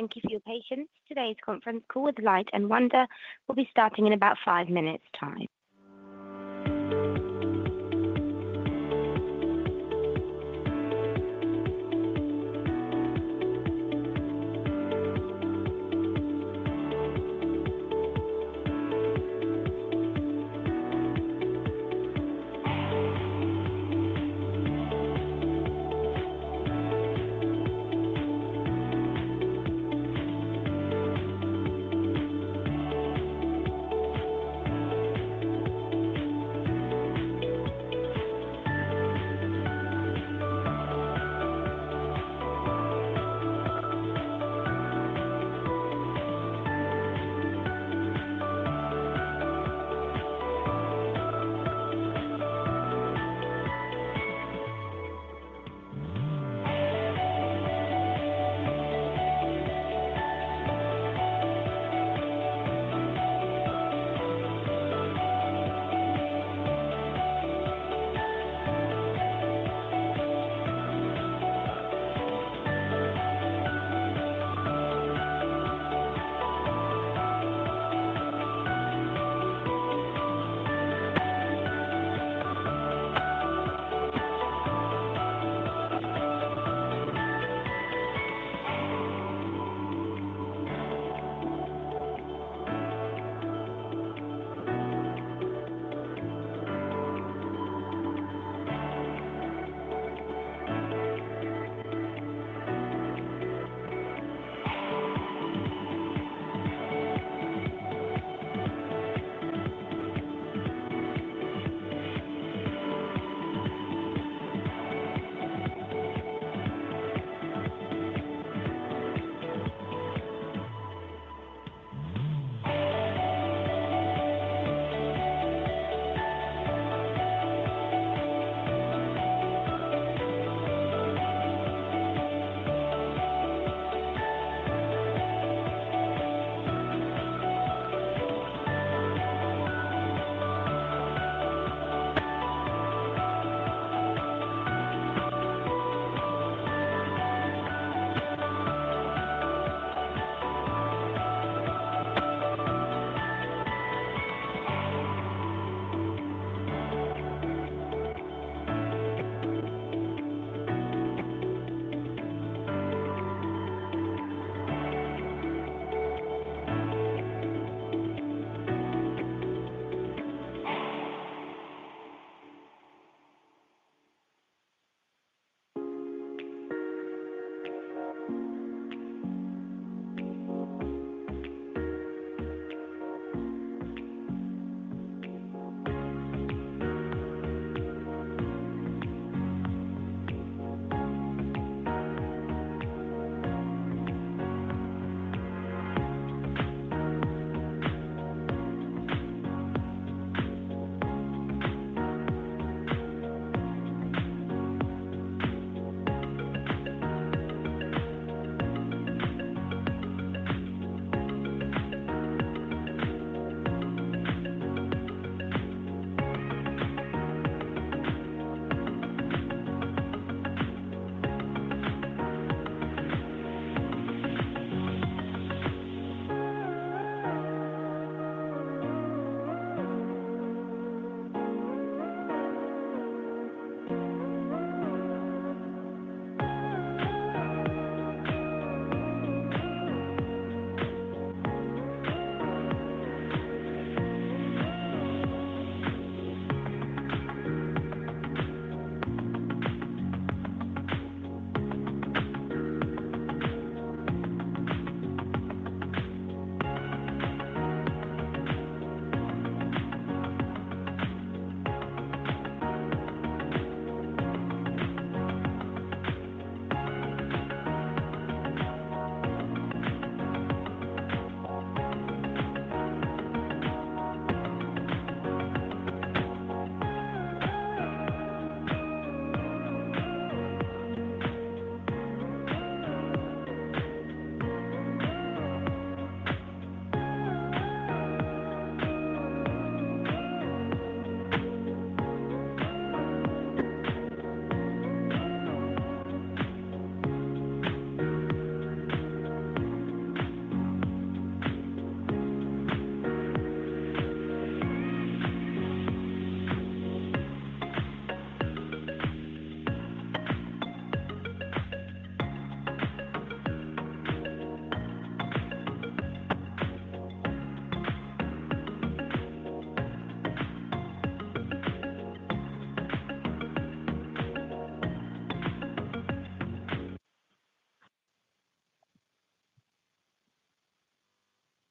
Thank you for your patience. Today's conference call with Light & Wonder will be starting in about five minutes.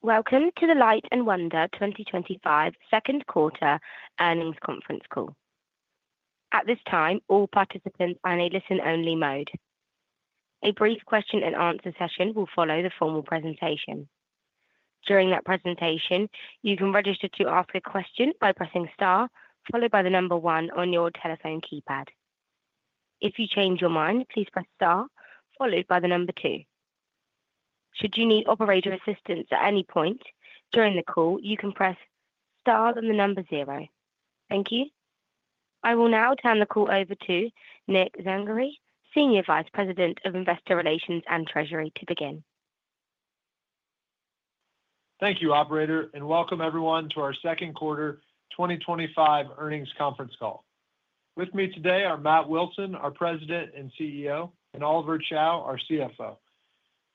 Welcome to the Light & Wonder 2025 second quarter earnings conference call. At this time, all participants are in a listen-only mode. A brief question and answer session will follow the formal presentation. During that presentation, you can register to ask a question by pressing star, followed by the number one on your telephone keypad. If you change your mind, please press star, followed by the number two. Should you need operator assistance at any point during the call, you can press star and the number zero. Thank you. I will now turn the call over to Nick Zangari, Senior Vice President of Investor Relations and Treasury, to begin. Thank you, operator, and welcome everyone to our second quarter 2025 earnings conference call. With me today are Matt Wilson, our President and CEO, and Oliver Chow, our CFO.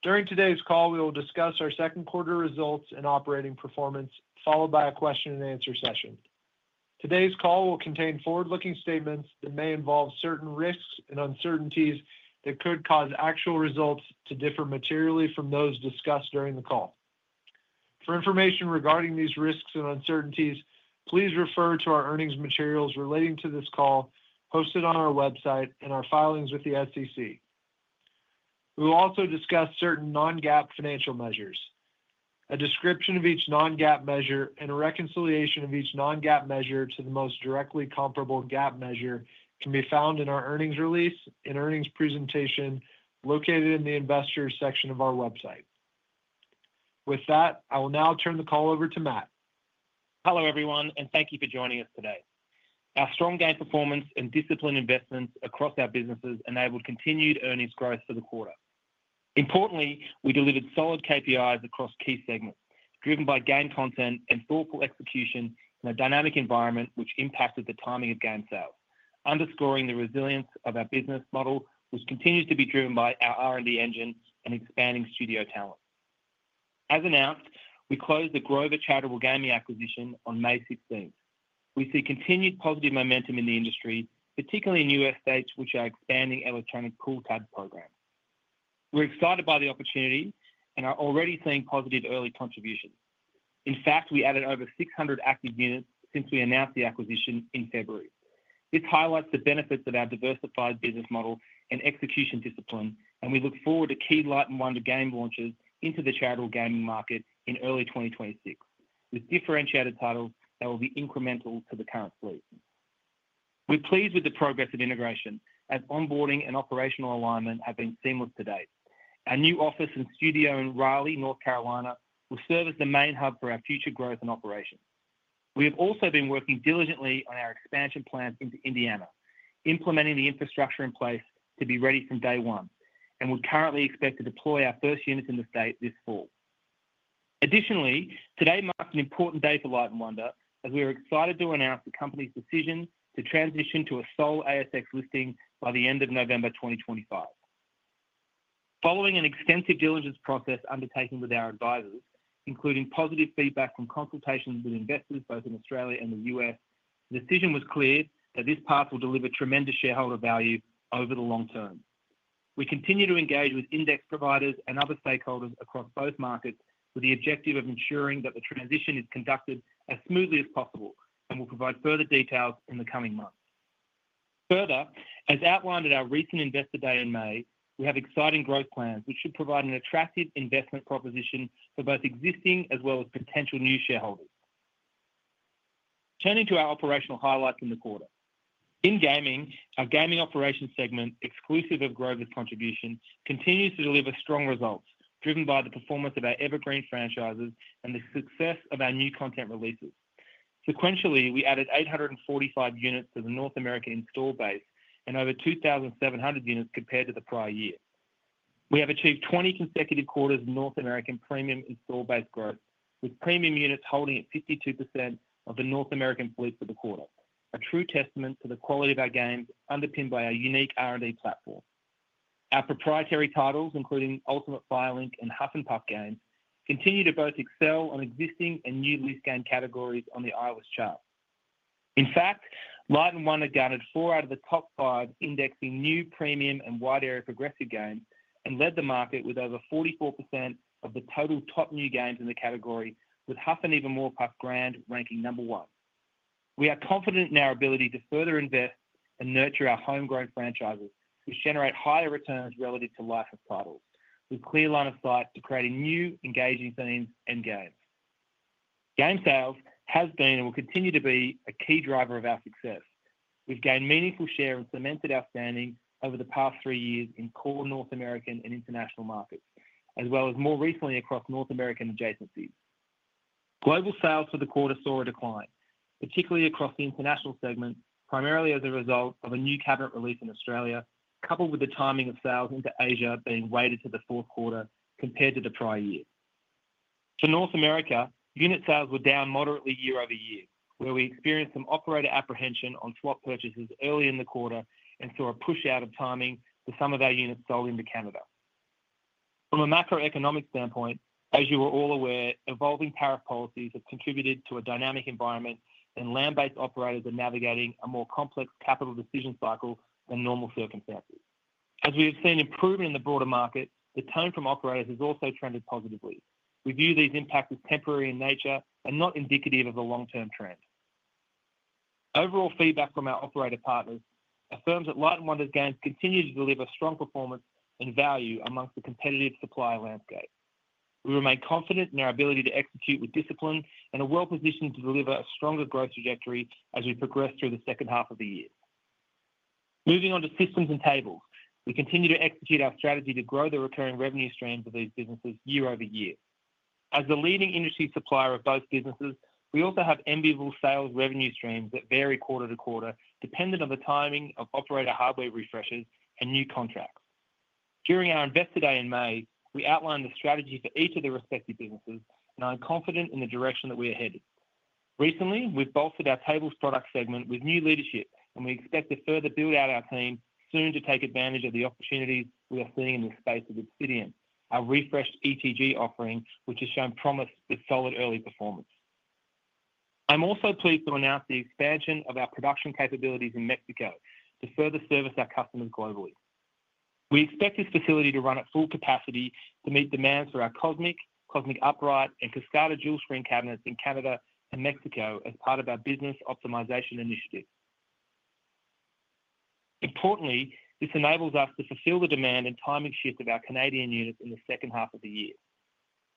During today's call, we will discuss our second quarter results and operating performance, followed by a question and answer session. Today's call will contain forward-looking statements that may involve certain risks and uncertainties that could cause actual results to differ materially from those discussed during the call. For information regarding these risks and uncertainties, please refer to our earnings materials relating to this call posted on our website and our filings with the SEC. We will also discuss certain non-GAAP financial measures. A description of each non-GAAP measure and a reconciliation of each non-GAAP measure to the most directly comparable GAAP measure can be found in our earnings release and earnings presentation located in the investors section of our website. With that, I will now turn the call over to Matt. Hello everyone, and thank you for joining us today. Our strong game performance and disciplined investments across our businesses enabled continued earnings growth for the quarter. Importantly, we delivered solid KPIs across key segments, driven by game content and thoughtful execution in a dynamic environment, which impacted the timing of game sales, underscoring the resilience of our business model, which continues to be driven by our R&D engine and expanding studio talent. As announced, we closed the Grover Gaming Charitable Gaming acquisition on May 16th. We see continued positive momentum in the industry, particularly in U.S. states which are expanding electronic pool type programs. We're excited by the opportunity and are already seeing positive early contributions. In fact, we added over 600 active units since we announced the acquisition in February. This highlights the benefits of our diversified business model and execution discipline, and we look forward to key Light & Wonder game launches into the charitable gaming market in early 2026, with differentiated titles that will be incremental to the current fleet. We're pleased with the progress of integration, as onboarding and operational alignment have been seamless to date. Our new office and studio in Raleigh, North Carolina, will serve as the main hub for our future growth and operations. We have also been working diligently on our expansion plans into Indiana, implementing the infrastructure in place to be ready from day one, and we currently expect to deploy our first units in the state this fall. Additionally, today marks an important day for Light & Wonder, as we are excited to announce the company's decision to transition to a sole ASX listing by the end of November 2025. Following an extensive diligence process undertaken with our advisors, including positive feedback from consultations with investors both in Australia and the U.S., the decision was clear that this path will deliver tremendous shareholder value over the long term. We continue to engage with index providers and other stakeholders across both markets with the objective of ensuring that the transition is conducted as smoothly as possible, and we'll provide further details in the coming months. Further, as outlined at our recent investor day in May, we have exciting growth plans, which should provide an attractive investment proposition for both existing as well as potential new shareholders. Turning to our operational highlights in the quarter. In Gaming, our Gaming Operations segment, exclusive of Grover Gaming's contribution, continues to deliver strong results, driven by the performance of our evergreen franchises and the success of our new content releases. Sequentially, we added 845 units to the North American install base and over 2,700 units compared to the prior year. We have achieved 20 consecutive quarters of North American premium install base growth, with premium units holding at 52% of the North American fleet for the quarter, a true testament to the quality of our games, underpinned by our unique R&D platform. Our proprietary titles, including Ultimate Fire Link and Huff N' More Puff games, continue to both excel on existing and new list game categories on the ILS chart. In fact, Light & Wonder garnered four out of the top five indexing new premium and wide area progressive games and led the market with over 44% of the total top new games in the category, with Huff N' More Puff Grand ranking number one. We are confident in our ability to further invest and nurture our homegrown franchises, which generate higher returns relative to licensed titles, with a clear line of sight to creating new engaging themes and games. Game sales have been and will continue to be a key driver of our success. We've gained meaningful share and cemented our standing over the past three years in core North American and international markets, as well as more recently across North American adjacencies. Global sales for the quarter saw a decline, particularly across the international segment, primarily as a result of a new cabinet release in Australia, coupled with the timing of sales into Asia being weighted to the fourth quarter compared to the prior year. For North America, unit sales were down moderately year-over-year, where we experienced some operator apprehension on swap purchases early in the quarter and saw a push-out of timing for some of our units sold into Canada. From a macroeconomic standpoint, as you are all aware, evolving tariff policies have contributed to a dynamic environment, and land-based operators are navigating a more complex capital decision cycle than normal circumstances. As we have seen improvement in the broader market, the tone from operators has also trended positively. We view these impacts as temporary in nature and not indicative of a long-term trend. Overall feedback from our operator partners affirms that Light & Wonder's games continue to deliver strong performance and value amongst the competitive supply landscape. We remain confident in our ability to execute with discipline and are well-positioned to deliver a stronger growth trajectory as we progress through the second half of the year. Moving on to systems and tables, we continue to execute our strategy to grow the recurring revenue streams of these businesses year over year. As the leading industry supplier of both businesses, we also have enviable sales revenue streams that vary quarter to quarter, dependent on the timing of operator hardware refreshes and new contracts. During our investor day in May, we outlined the strategy for each of their respective businesses, and I'm confident in the direction that we are headed. Recently, we've bolstered our tables product segment with new leadership, and we expect to further build out our team soon to take advantage of the opportunities we are seeing in the space of Obsidian, our refreshed ETG offering, which has shown promise with solid early performance. I'm also pleased to announce the expansion of our production capabilities in Mexico to further service our customers globally. We expect this facility to run at full capacity to meet demands for our COSMIC, COSMIC Upright, and Cascada dual screen cabinets in Canada and Mexico as part of our business optimization initiative. Importantly, this enables us to fulfill the demand and timing shift of our Canadian units in the second half of the year.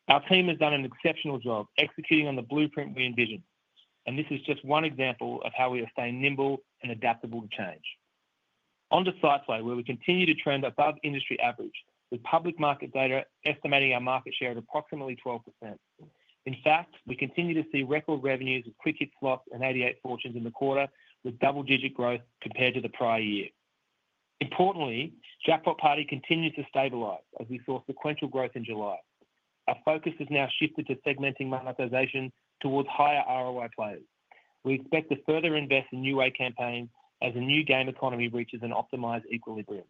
Our team has done an exceptional job executing on the blueprint we envisioned, and this is just one example of how we are staying nimble and adaptable to change. On to Sightline, where we continue to trend above industry average, with public market data estimating our market share at approximately 12%. In fact, we continue to see record revenues of Jackpot Party and 88 Fortunes in the quarter, with double-digit growth compared to the prior year. Importantly, Jackpot Party continues to stabilize as we saw sequential growth in July. Our focus has now shifted to segmenting monetization towards higher ROI players. We expect to further invest in new A campaigns as the new game economy reaches an optimized equilibrium.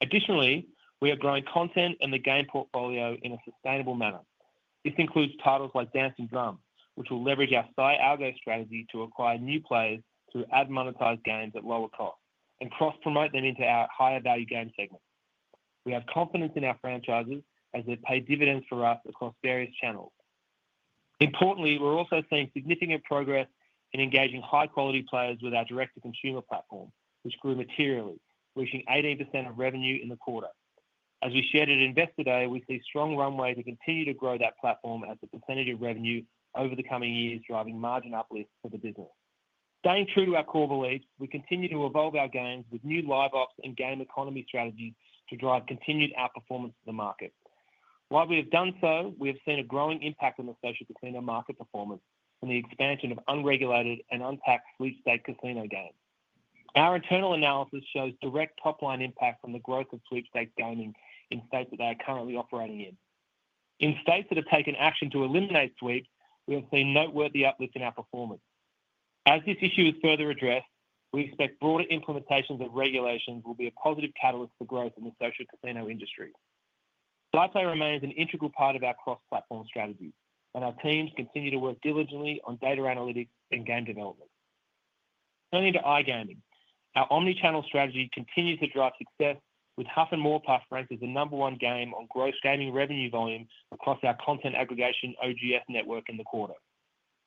Additionally, we are growing content and the game portfolio in a sustainable manner. This includes titles like Dancing Drums, which will leverage our Sightline Algo strategy to acquire new players through ad-monetized games at lower costs and cross-promote them into our higher-value game segments. We have confidence in our franchises as they pay dividends for us across various channels. Importantly, we're also seeing significant progress in engaging high-quality players with our direct-to-consumer platform, which grew materially, reaching 80% of revenue in the quarter. As we shared at investor day, we see strong runway to continue to grow that platform as the percentage of revenue over the coming years drives margin uplift for the business. Staying true to our core beliefs, we continue to evolve our games with new live ops and game economy strategies to drive continued outperformance in the market. While we have done so, we have seen a growing impact on the social casino market performance and the expansion of unregulated and unpacked sweepstakes casino games. Our internal analysis shows direct top-line impact from the growth of sweepstakes gaming in states that they are currently operating in. In states that have taken action to eliminate sweeps, we have seen noteworthy uplift in our performance. As this issue is further addressed, we expect broader implementations of regulations will be a positive catalyst for growth in the social casino industry. Sightline remains an integral part of our cross-platform strategy, and our teams continue to work diligently on data analytics and game development. Turning to iGaming, our omnichannel strategy continues to drive success, with Huff N' More Puff ranked as the number one game on gross gaming revenue volume across our content aggregation OGS network in the quarter.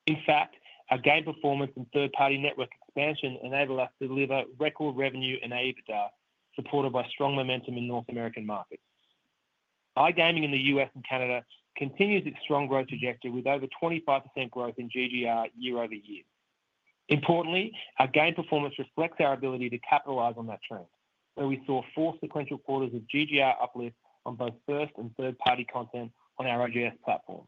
In fact, our game performance and third-party network expansion enable us to deliver record revenue in APTA, supported by strong momentum in North American markets. iGaming in the U.S. and Canada continues its strong growth trajectory with over 25% growth in GGR year over year. Importantly, our game performance reflects our ability to capitalize on that trend, where we saw four sequential quarters of GGR uplift on both first and third-party content on our OGS platform.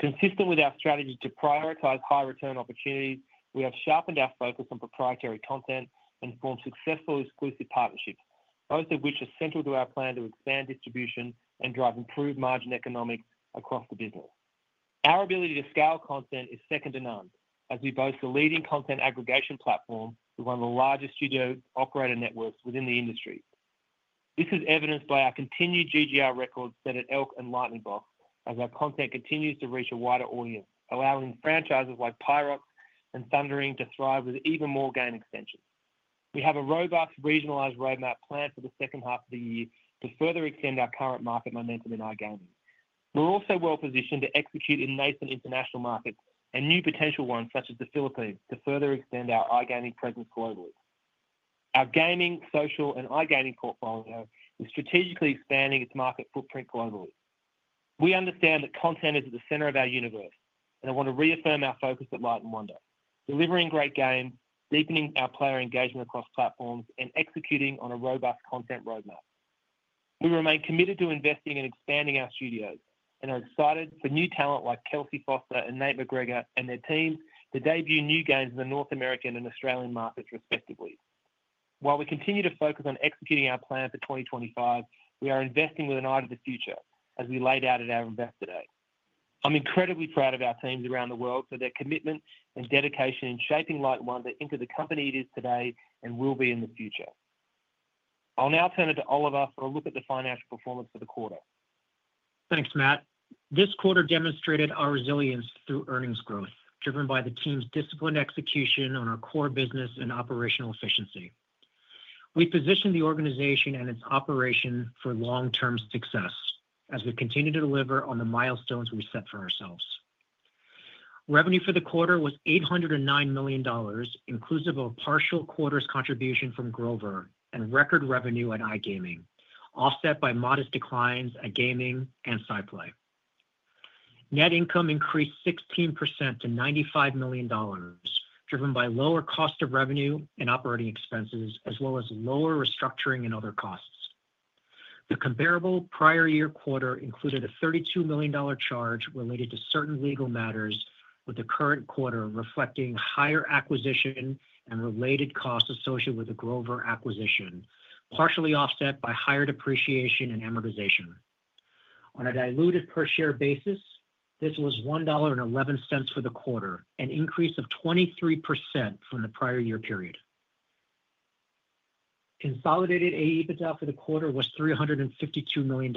Consistent with our strategy to prioritize high-return opportunities, we have sharpened our focus on proprietary content and formed successful exclusive partnerships, both of which are central to our plan to expand distribution and drive improved margin economics across the business. Our ability to scale content is second to none, as we boast a leading content aggregation platform with one of the largest studio operator networks within the industry. This is evidenced by our continued GGR records set at Elk and Lightning Box, as our content continues to reach a wider audience, allowing franchises like Pyrox and Thundering to thrive with even more game extensions. We have a robust regionalized roadmap planned for the second half of the year to further extend our current market momentum in iGaming. We're also well-positioned to execute in nascent international markets and new potential ones such as the Philippines to further extend our iGaming presence globally. Our gaming, social, and iGaming portfolio is strategically expanding its market footprint globally. We understand that content is at the center of our universe, and I want to reaffirm our focus at Light & Wonder, delivering great games, deepening our player engagement across platforms, and executing on a robust content roadmap. We remain committed to investing and expanding our studios and are excited for new talent like Kelsey Foster and Nate McGregor and their teams to debut new games in the North American and Australian markets respectively. While we continue to focus on executing our plan for 2025, we are investing with an eye to the future, as we laid out at our investor day. I'm incredibly proud of our teams around the world for their commitment and dedication in shaping Light & Wonder into the company it is today and will be in the future. I'll now turn it to Oliver for a look at the financial performance for the quarter. Thanks, Matt. This quarter demonstrated our resilience through earnings growth, driven by the team's disciplined execution on our core business and operational efficiency. We positioned the organization and its operation for long-term success as we continue to deliver on the milestones we set for ourselves. Revenue for the quarter was $809 million, inclusive of a partial quarter's contribution from Grover and record revenue at iGaming, offset by modest declines at gaming and Sightline. Net income increased 16% to $95 million, driven by lower cost of revenue and operating expenses, as well as lower restructuring and other costs. The comparable prior year quarter included a $32 million charge related to certain legal matters, with the current quarter reflecting higher acquisition and related costs associated with the Grover acquisition, partially offset by higher depreciation and amortization. On a diluted per share basis, this was $1.11 for the quarter, an increase of 23% from the prior year period. Consolidated APTA for the quarter was $352 million,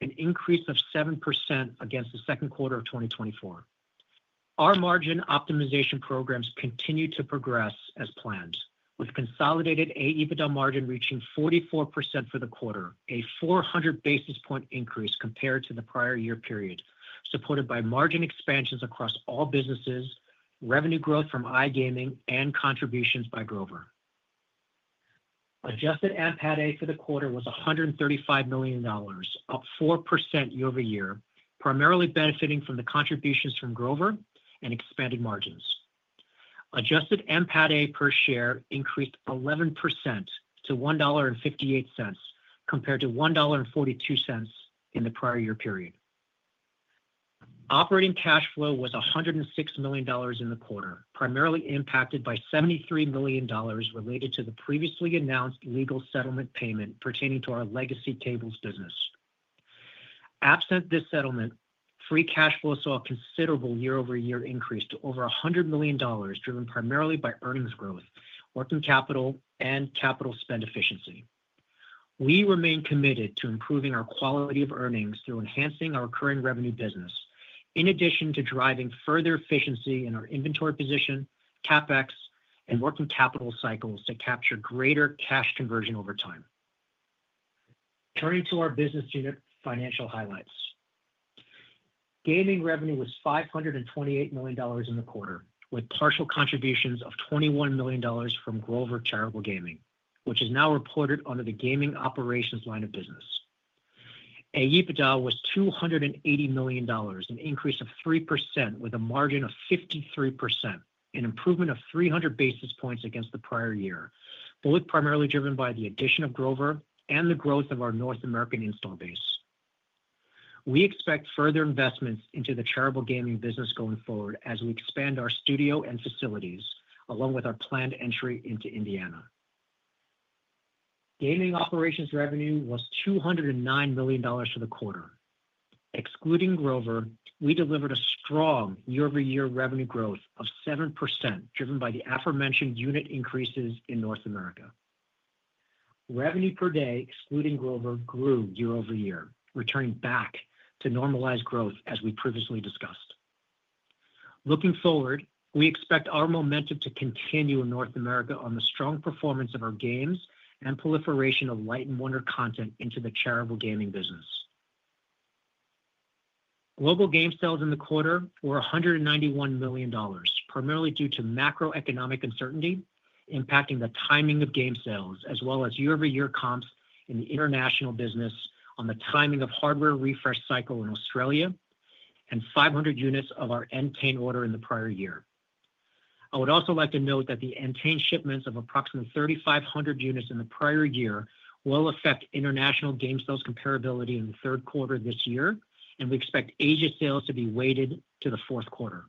an increase of 7% against the second quarter of 2024. Our margin optimization programs continue to progress as planned, with consolidated APTA margin reaching 44% for the quarter, a 400 basis point increase compared to the prior year period, supported by margin expansions across all businesses, revenue growth from iGaming, and contributions by Grover. Adjusted NPATA for the quarter was $135 million, up 4% year-over-year, primarily benefiting from the contributions from Grover and expanded margins. Adjusted NPATA per share increased 11% to $1.58 compared to $1.42 in the prior year period. Operating cash flow was $106 million in the quarter, primarily impacted by $73 million related to the previously announced legal settlement payment pertaining to our legacy tables business. Absent this settlement, free cash flow saw a considerable year-over-year increase to over $100 million, driven primarily by earnings growth, working capital, and capital spend efficiency. We remain committed to improving our quality of earnings through enhancing our recurring revenue business, in addition to driving further efficiency in our inventory position, CapEx, and working capital cycles to capture greater cash conversion over time. Turning to our business unit financial highlights. Gaming revenue was $528 million in the quarter, with partial contributions of $21 million from Grover Gaming, which is now reported under the gaming operations line of business. APTA was $280 million, an increase of 3% with a margin of 53%, an improvement of 300 basis points against the prior year, both primarily driven by the addition of Grover and the growth of our North American install base. We expect further investments into the charitable gaming business going forward as we expand our studio and facilities, along with our planned entry into Indiana. Gaming operations revenue was $209 million for the quarter. Excluding Grover, we delivered a strong year-over-year revenue growth of 7%, driven by the aforementioned unit increases in North America. Revenue per day, excluding Grover, grew year-over-year, returning back to normalized growth as we previously discussed. Looking forward, we expect our momentum to continue in North America on the strong performance of our games and proliferation of Light & Wonder content into the charitable gaming business. Global game sales in the quarter were $191 million, primarily due to macroeconomic uncertainty impacting the timing of game sales, as well as year-over-year comps in the international business on the timing of hardware refresh cycle in Australia and 500 units of our entertain order in the prior year. I would also like to note that the entertain shipments of approximately 3,500 units in the prior year will affect international game sales comparability in the third quarter of this year, and we expect Asia sales to be weighted to the fourth quarter.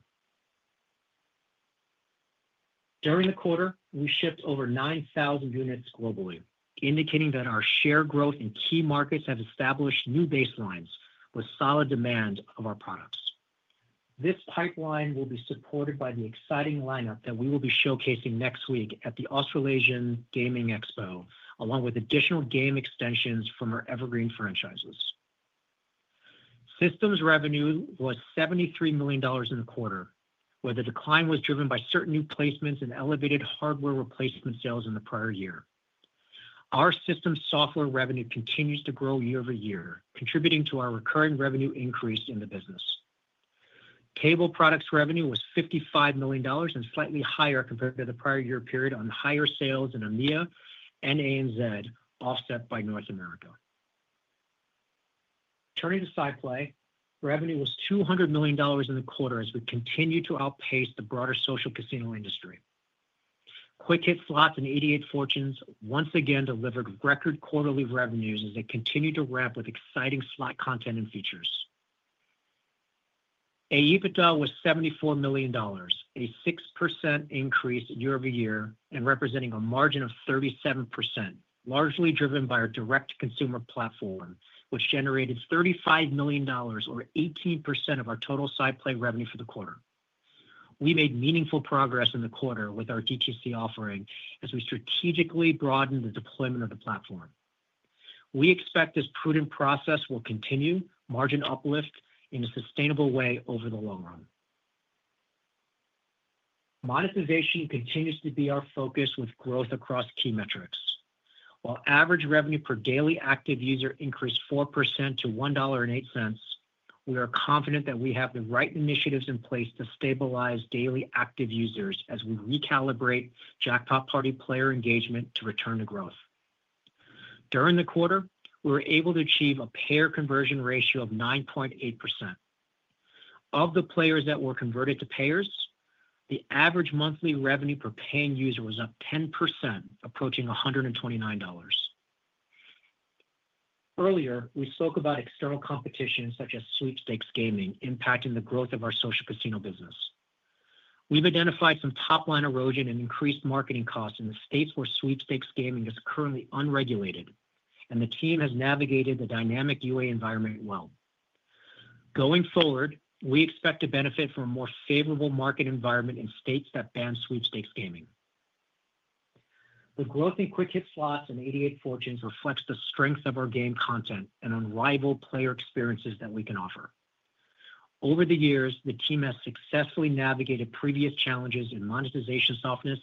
During the quarter, we shipped over 9,000 units globally, indicating that our share growth in key markets has established new baselines with solid demand of our products. This pipeline will be supported by the exciting lineup that we will be showcasing next week at the Australasian Gaming Expo, along with additional game extensions from our evergreen franchises. Systems revenue was $73 million in the quarter, where the decline was driven by certain new placements and elevated hardware replacement sales in the prior year. Our systems software revenue continues to grow year-over-year, contributing to our recurring revenue increase in the business. Cable products revenue was $55 million and slightly higher compared to the prior year period on higher sales in EMEA and ANZ, offset by North America. Turning to Sightline, revenue was $200 million in the quarter as we continue to outpace the broader social casino industry. Quick Hit Slots and 88 Fortunes once again delivered record quarterly revenues as they continue to ramp with exciting slot content and features. APTA was $74 million, a 6% increase year-over-year, and representing a margin of 37%, largely driven by our direct-to-consumer platform, which generated $35 million, or 18% of our total Sightline revenue for the quarter. We made meaningful progress in the quarter with our DTC offering as we strategically broadened the deployment of the platform. We expect this prudent process will continue margin uplift in a sustainable way over the long run. Monetization continues to be our focus with growth across key metrics. While average revenue per daily active user increased 4% to $1.08, we are confident that we have the right initiatives in place to stabilize daily active users as we recalibrate Jackpot Party player engagement to return to growth. During the quarter, we were able to achieve a payer conversion ratio of 9.8%. Of the players that were converted to payers, the average monthly revenue per paying user was up 10%, approaching $129. Earlier, we spoke about external competition such as sweepstakes gaming impacting the growth of our social casino business. We've identified some top-line erosion and increased marketing costs in the states where sweepstakes gaming is currently unregulated, and the team has navigated the dynamic UA environment well. Going forward, we expect to benefit from a more favorable market environment in statr over es that ban sweepstakes gaming. The growth in Quick Hit Slots and 88 Fortunes reflects the strength of our game content and unrivaled player experiences that we can offer. Over the years, the team has successfully navigated previous challenges in monetization softness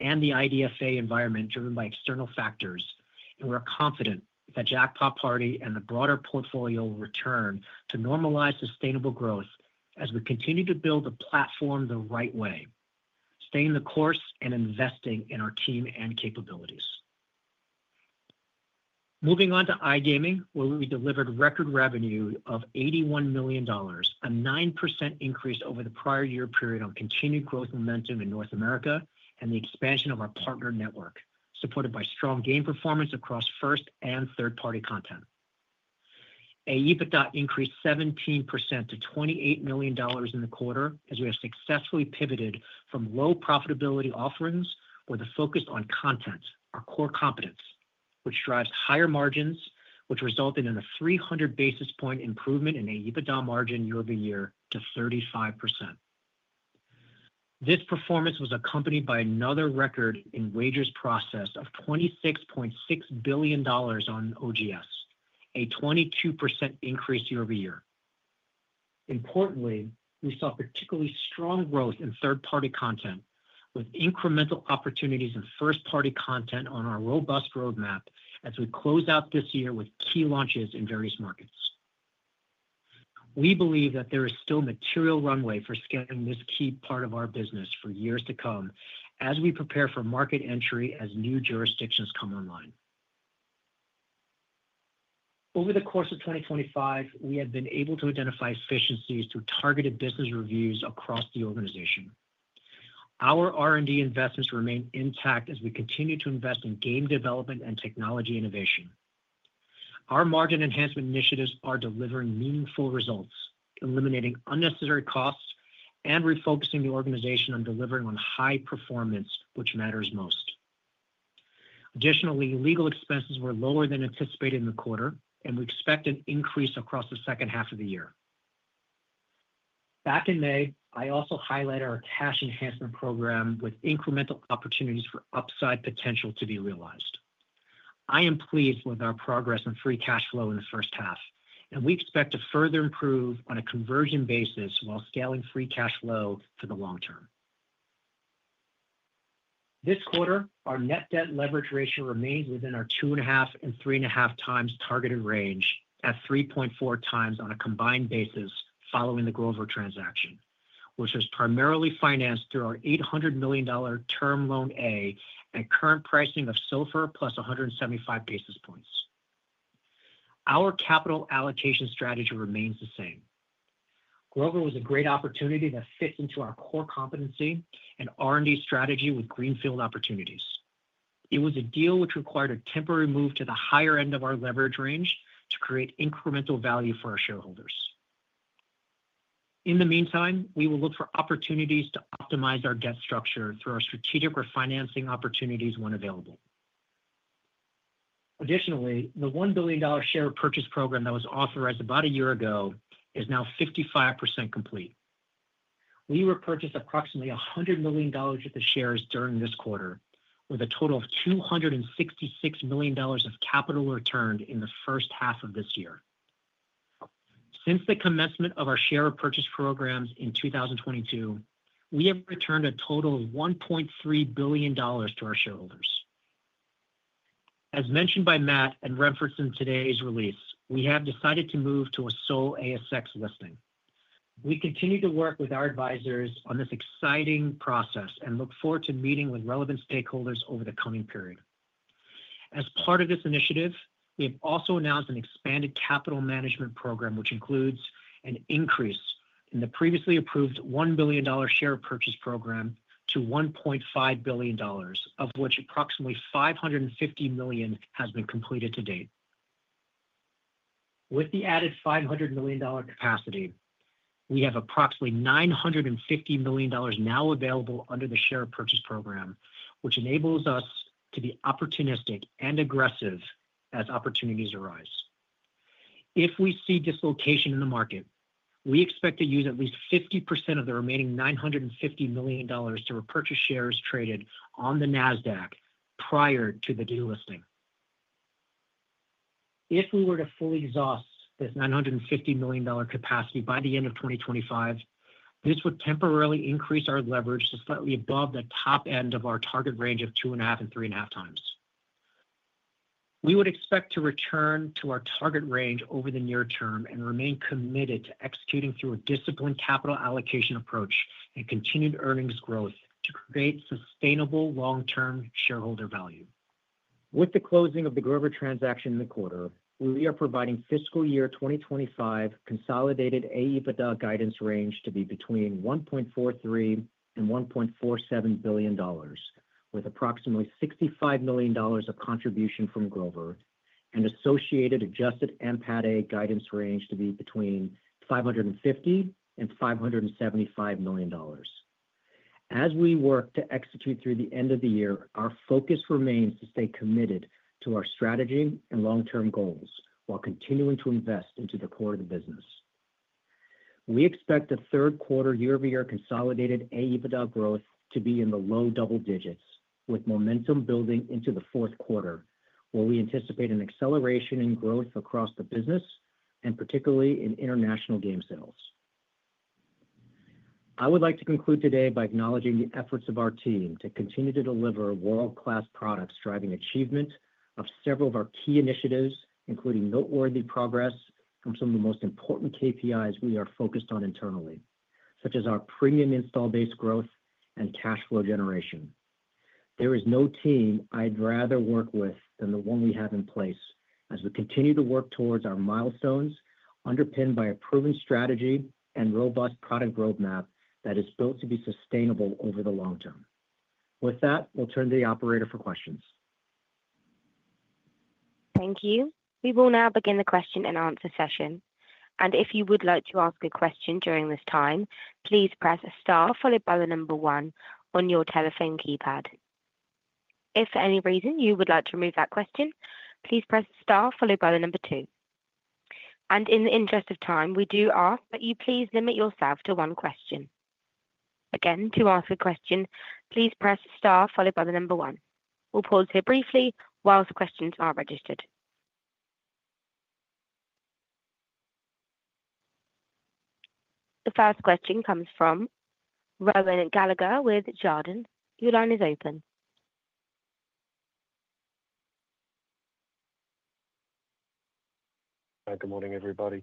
and the IDFA environment driven by external factors, and we're confident that Jackpot Party and the broader portfolio will return to normalized sustainable growth as we continue to build the platform the right way, staying the course, and investing in our team and capabilities. Moving on to iGaming, where we delivered record revenue of $81 million, a 9% increase over the prior year period on continued growth momentum in North America and the expansion of our partner network, supported by strong game performance across first and third-party content. APTA increased 17% to $28 million in the quarter as we have successfully pivoted from low profitability offerings with a focus on content, our core competence, which drives higher margins, which resulted in a 300 basis point improvement in APTA margin year over year to 35%. This performance was accompanied by another record in wagers processed of $26.6 billion on OGS, a 22% increase year over year. Importantly, we saw particularly strong growth in third-party content, with incremental opportunities in first-party content on our robust roadmap as we close out this year with key launches in various markets. We believe that there is still material runway for scaling this key part of our business for years to come as we prepare for market entry as new jurisdictions come online. Over the course of 2025, we have been able to identify efficiencies through targeted business reviews across the organization. Our R&D investments remain intact as we continue to invest in game development and technology innovation. Our margin enhancement initiatives are delivering meaningful results, eliminating unnecessary costs and refocusing the organization on delivering on high performance, which matters most. Additionally, legal expenses were lower than anticipated in the quarter, and we expect an increase across the second half of the year. Back in May, I also highlighted our cash enhancement program with incremental opportunities for upside potential to be realized. I am pleased with our progress in free cash flow in the first half, and we expect to further improve on a conversion basis while scaling free cash flow for the long term. This quarter, our net debt leverage ratio remains within our 2.5x-3.5x targeted range at 3.4x on a combined basis following the Grover Gaming transaction, which is primarily financed through our $800 million term loan A and current pricing of SOFR +175 basis points. Our capital allocation strategy remains the same. Grover Gaming was a great opportunity that fits into our core competency and R&D strategy with greenfield opportunities. It was a deal which required a temporary move to the higher end of our leverage range to create incremental value for our shareholders. In the meantime, we will look for opportunities to optimize our debt structure through our strategic refinancing opportunities when available. Additionally, the $1 billion share purchase program that was authorized about a year ago is now 55% complete. We repurchased approximately $100 million of the shares during this quarter, with a total of $266 million of capital returned in the first half of this year. Since the commencement of our share purchase programs in 2022, we have returned a total of $1.3 billion to our shareholders. As mentioned by Matt and referenced in today's release, we have decided to move to a sole ASX listing. We continue to work with our advisors on this exciting process and look forward to meeting with relevant stakeholders over the coming period. As part of this initiative, we have also announced an expanded capital management program, which includes an increase in the previously approved $1 billion share purchase program to $1.5 billion, of which approximately $550 million has been completed to date. With the added $500 million capacity, we have approximately $950 million now available under the share purchase program, which enables us to be opportunistic and aggressive as opportunities arise. If we see dislocation in the market, we expect to use at least 50% of the remaining $950 million to repurchase shares traded on the NASDAQ prior to the new listing. If we were to fully exhaust this $950 million capacity by the end of 2025, this would temporarily increase our leverage to slightly above the top end of our target range of 2.5x-3.5x. We would expect to return to our target range over the near term and remain committed to executing through a disciplined capital allocation approach and continued earnings growth to create sustainable long-term shareholder value. With the closing of the Grover Gaming transaction in the quarter, we are providing fiscal year 2025 consolidated APTA guidance range to be between $1.43 billion-$1.47 billion, with approximately $65 million of contribution from Grover Gaming and associated adjusted NPATA guidance range to be between $550 million-$575 million. As we work to execute through the end of the year, our focus remains to stay committed to our strategy and long-term goals while continuing to invest into the core of the business. We expect the third quarter year-over-year consolidated APTA growth to be in the low double digits, with momentum building into the fourth quarter, where we anticipate an acceleration in growth across the business and particularly in international game sales. I would like to conclude today by acknowledging the efforts of our team to continue to deliver world-class products, driving achievement of several of our key initiatives, including noteworthy progress on some of the most important KPIs we are focused on internally, such as our premium install base growth and cash flow generation. There is no team I'd rather work with than the one we have in place, as we continue to work towards our milestones underpinned by a proven strategy and robust product roadmap that is built to be sustainable over the long term. With that, we'll turn to the operator for questions. Thank you. We will now begin the question-and-answer session. If you would like to ask a question during this time, please press star followed by the number one on your telephone keypad. If for any reason you would like to remove that question, please press star followed by the number two. In the interest of time, we do ask that you please limit yourself to one question. Again, to ask a question, please press star followed by the number one. We'll pause here briefly whilst questions are registered. The first question comes from Rohan Gallagher with Jarden. Your line is open. Good morning, everybody.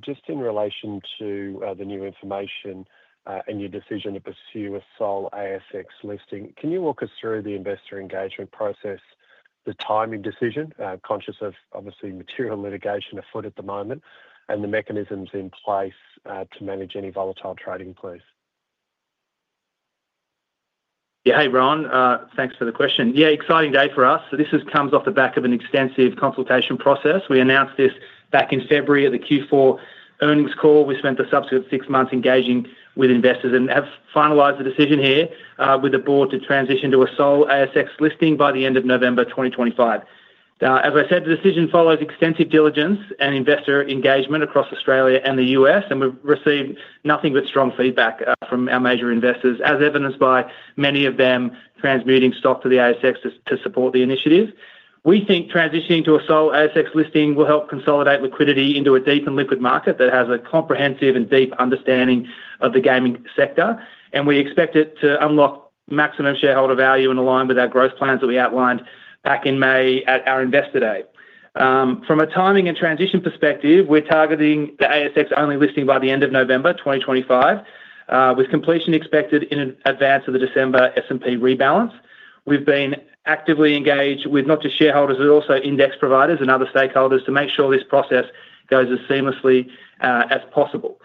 Just in relation to the new information and your decision to pursue a sole ASX listing, can you walk us through the investor engagement process, the timing decision, conscious of obviously material litigation afoot at the moment, and the mechanisms in place to manage any volatile trading, please? Yeah, hey Rohan thanks for the question. Yeah, exciting day for us. This comes off the back of an extensive consultation process. We announced this back in February at the Q4 earnings call. We spent the subsequent six months engaging with investors and have finalized the decision here with the board to transition to a sole ASX listing by the end of November 2025. As I said, the decision follows extensive diligence and investor engagement across Australia and the U.S., and we've received nothing but strong feedback from our major investors, as evidenced by many of them transmuting stock to the ASX to support the initiative. We think transitioning to a sole ASX listing will help consolidate liquidity into a deep and liquid market that has a comprehensive and deep understanding of the gaming sector, and we expect it to unlock maximum shareholder value and align with our growth plans that we outlined back in May at our investor day. From a timing and transition perspective, we're targeting the ASX only listing by the end of November 2025, with completion expected in advance of the December S&P rebalance. We've been actively engaged with not just shareholders, but also index providers and other stakeholders to make sure this process goes as seamlessly as possible.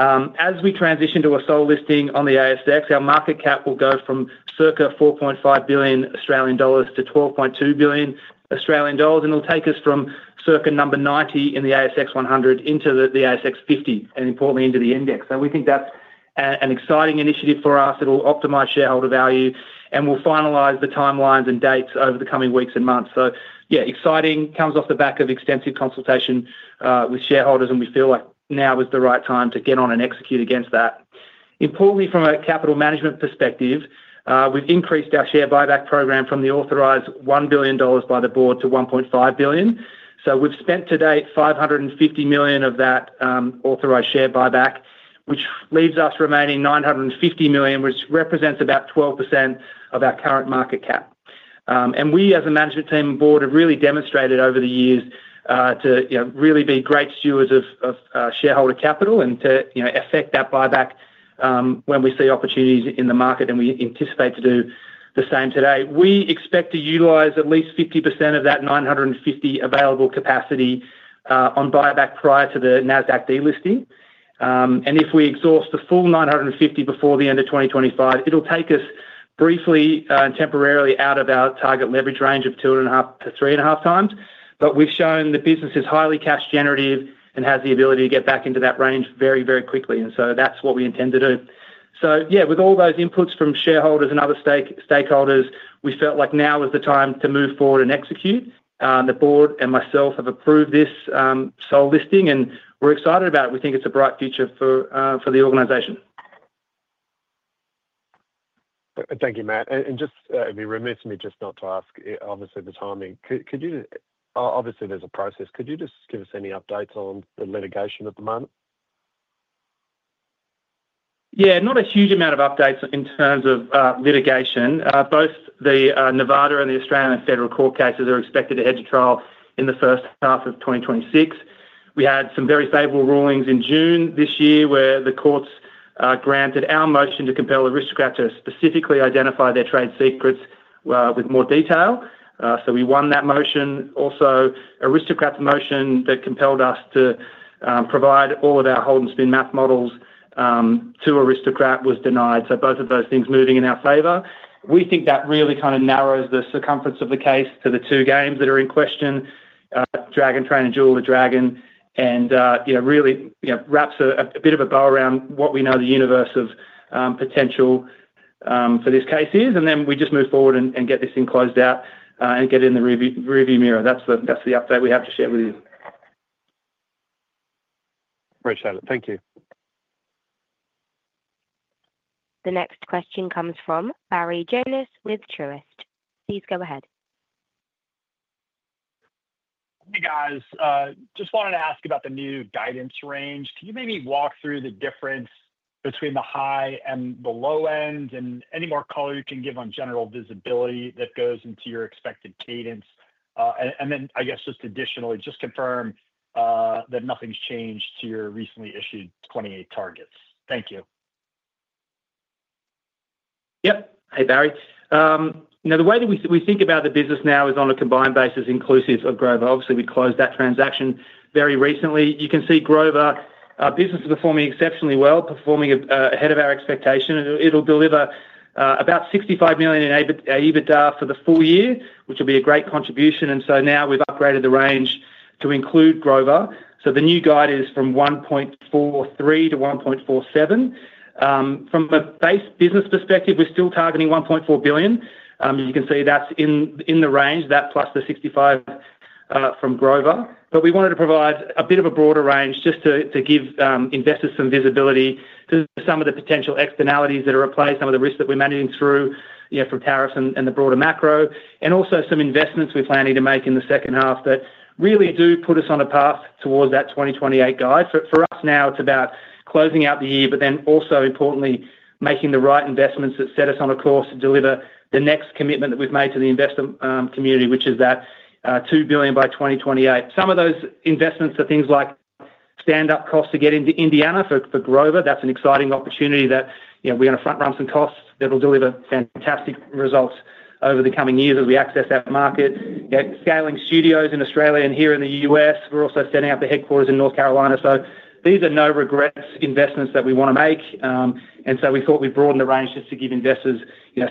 As we transition to a sole listing on the ASX, our market cap will go from circa 4.5 billion-12.2 billion Australian dollars, and it'll take us from circa number 90 in the ASX 100 into the ASX 50 and importantly into the index. We think that's an exciting initiative for us that will optimize shareholder value and will finalize the timelines and dates over the coming weeks and months. Exciting comes off the back of extensive consultation with shareholders, and we feel like now is the right time to get on and execute against that. Importantly from a capital management perspective, we've increased our share buyback program from the authorized $1 billion by the board to $1.5 billion. We've spent to date $550 million of that authorized share buyback, which leaves us remaining $950 million, which represents about 12% of our current market cap. We, as a management team and board, have really demonstrated over the years to really be great stewards of shareholder capital and to effect that buyback when we see opportunities in the market, and we anticipate to do the same today. We expect to utilize at least 50% of that $950 million available capacity on buyback prior to the NASDAQ delisting. If we exhaust the full $950 million before the end of 2025, it'll take us briefly and temporarily out of our target leverage range of 2.5x-3.5x. We've shown the business is highly cash generative and has the ability to get back into that range very, very quickly. That's what we intend to do. With all those inputs from shareholders and other stakeholders, we felt like now was the time to move forward and execute. The board and myself have approved this sole listing, and we're excited about it. We think it's a bright future for the organization. Thank you, Matt. It'd be remiss of me not to ask, obviously, the timing. Could you, obviously, there's a process. Could you just give us any updates on the litigation at the moment? Yeah, not a huge amount of updates in terms of litigation. Both the Nevada and the Australian federal court cases are expected to head to trial in the first half of 2026. We had some very favorable rulings in June this year, where the courts granted our motion to compel Aristocrat to specifically identify their trade secrets with more detail. We won that motion. Also, Aristocrat's motion that compelled us to provide all of our hold and spin math models to Aristocrat was denied. Both of those things are moving in our favor. We think that really kind of narrows the circumference of the case to the two games that are in question, Dragon Train and Jewel of the Dragon, and really wraps a bit of a bow around what we know the universe of potential for this case is. We just move forward and get this thing closed out and get it in the rearview mirror. That's the update we have to share with you. Appreciate it. Thank you. The next question comes from Barry Jonas with Truist. Please go ahead. Hey guys, just wanted to ask about the new guidance range. Can you maybe walk through the difference between the high and the low end, and any more color you can give on general visibility that goes into your expected cadence? I guess just additionally, just confirm that nothing's changed to your recently issued 2028 targets. Thank you. Yep. Hey Barry. Now the way that we think about the business now is on a combined basis inclusive of Grover. Obviously, we closed that transaction very recently. You can see Grover business is performing exceptionally well, performing ahead of our expectation. It'll deliver about $65 million in EBITDA for the full year, which will be a great contribution. Now we've upgraded the range to include Grover. The new guide is from $1.43 billion-$1.47 billion. From a base business perspective, we're still targeting $1.4 billion. You can see that's in the range of that plus the $65 million from Grover. We wanted to provide a bit of a broader range just to give investors some visibility to some of the potential externalities that are at play, some of the risks that we're managing through, from tariffs and the broader macro, and also some investments we're planning to make in the second half that really do put us on a path towards that 2028 guide. For us now, it's about closing out the year, but then also importantly making the right investments that set us on a course to deliver the next commitment that we've made to the investment community, which is that $2 billion by 2028. Some of those investments are things like stand-up costs to get into Indiana for Grover. That's an exciting opportunity that we're going to front-run some costs that will deliver fantastic results over the coming years as we access that market. Scaling studios in Australia and here in the U.S. We're also setting up the headquarters in North Carolina. These are no regrets investments that we want to make. We thought we'd broaden the range just to give investors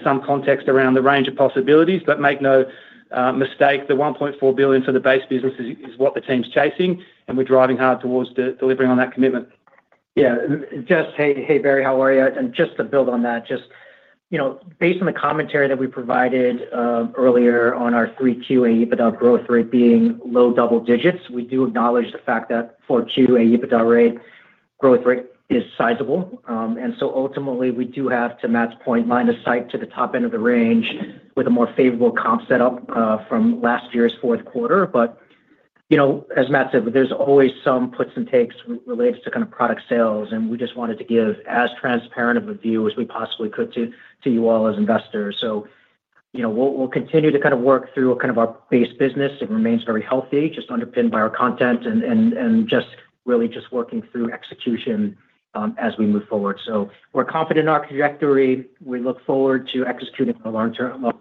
some context around the range of possibilities, but make no mistake that $1.4 billion for the base business is what the team's chasing, and we're driving hard towards delivering on that commitment. Yeah, just hey Barry, how are you? Just to build on that, based on the commentary that we provided earlier on our 3Q AEBITDA growth rate being low double digits, we do acknowledge the fact that 4Q AEBITDA growth rate is sizable. Ultimately, we do have to match point line of sight to the top end of the range with a more favorable comp setup from last year's fourth quarter. As Matt said, there's always some puts and takes related to product sales, and we just wanted to give as transparent of a view as we possibly could to you all as investors. We'll continue to work through our base business. It remains very healthy, just underpinned by our content and just really working through execution as we move forward. We're confident in our trajectory. We look forward to executing for the long term.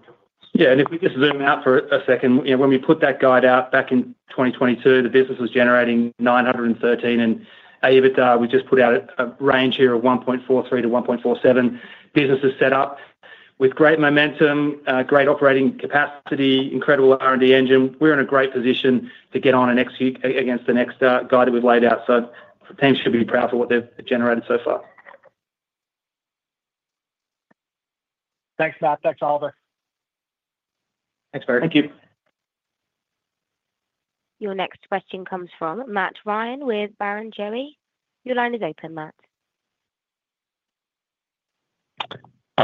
Yeah, if we could zoom out for a second, you know, when we put that guide out back in 2022, the business was generating $913 million in EBITDA. We just put out a range here of $1.43 billion-$1.47 billion. Business is set up with great momentum, great operating capacity, incredible R&D engine. We're in a great position to get on and execute against the next guide that we've laid out. Teams should be proud of what they've generated so far. Thanks, Matt. Thanks, Oliver. Thanks, Barry. Thank you. Your next question comes from Matt Ryan with Barrenjoey. Your line is open, Matt.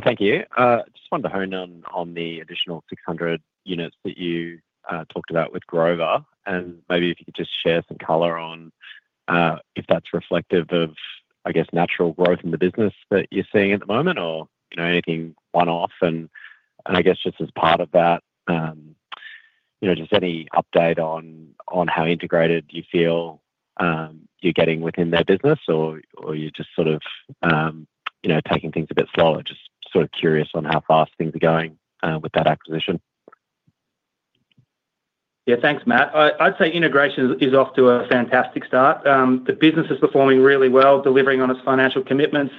Thank you. I just wanted to hone in on the additional 600 units that you talked about with Grover Gaming. Maybe if you could just share some color on if that's reflective of, I guess, natural growth in the business that you're seeing at the moment or anything one-off. Just as part of that, just any update on how integrated you feel you're getting within their business or you're just sort of taking things a bit slower. Just sort of curious on how fast things are going with that acquisition. Yeah, thanks, Matt. I'd say integration is off to a fantastic start. The business is performing really well, delivering on its financial commitments.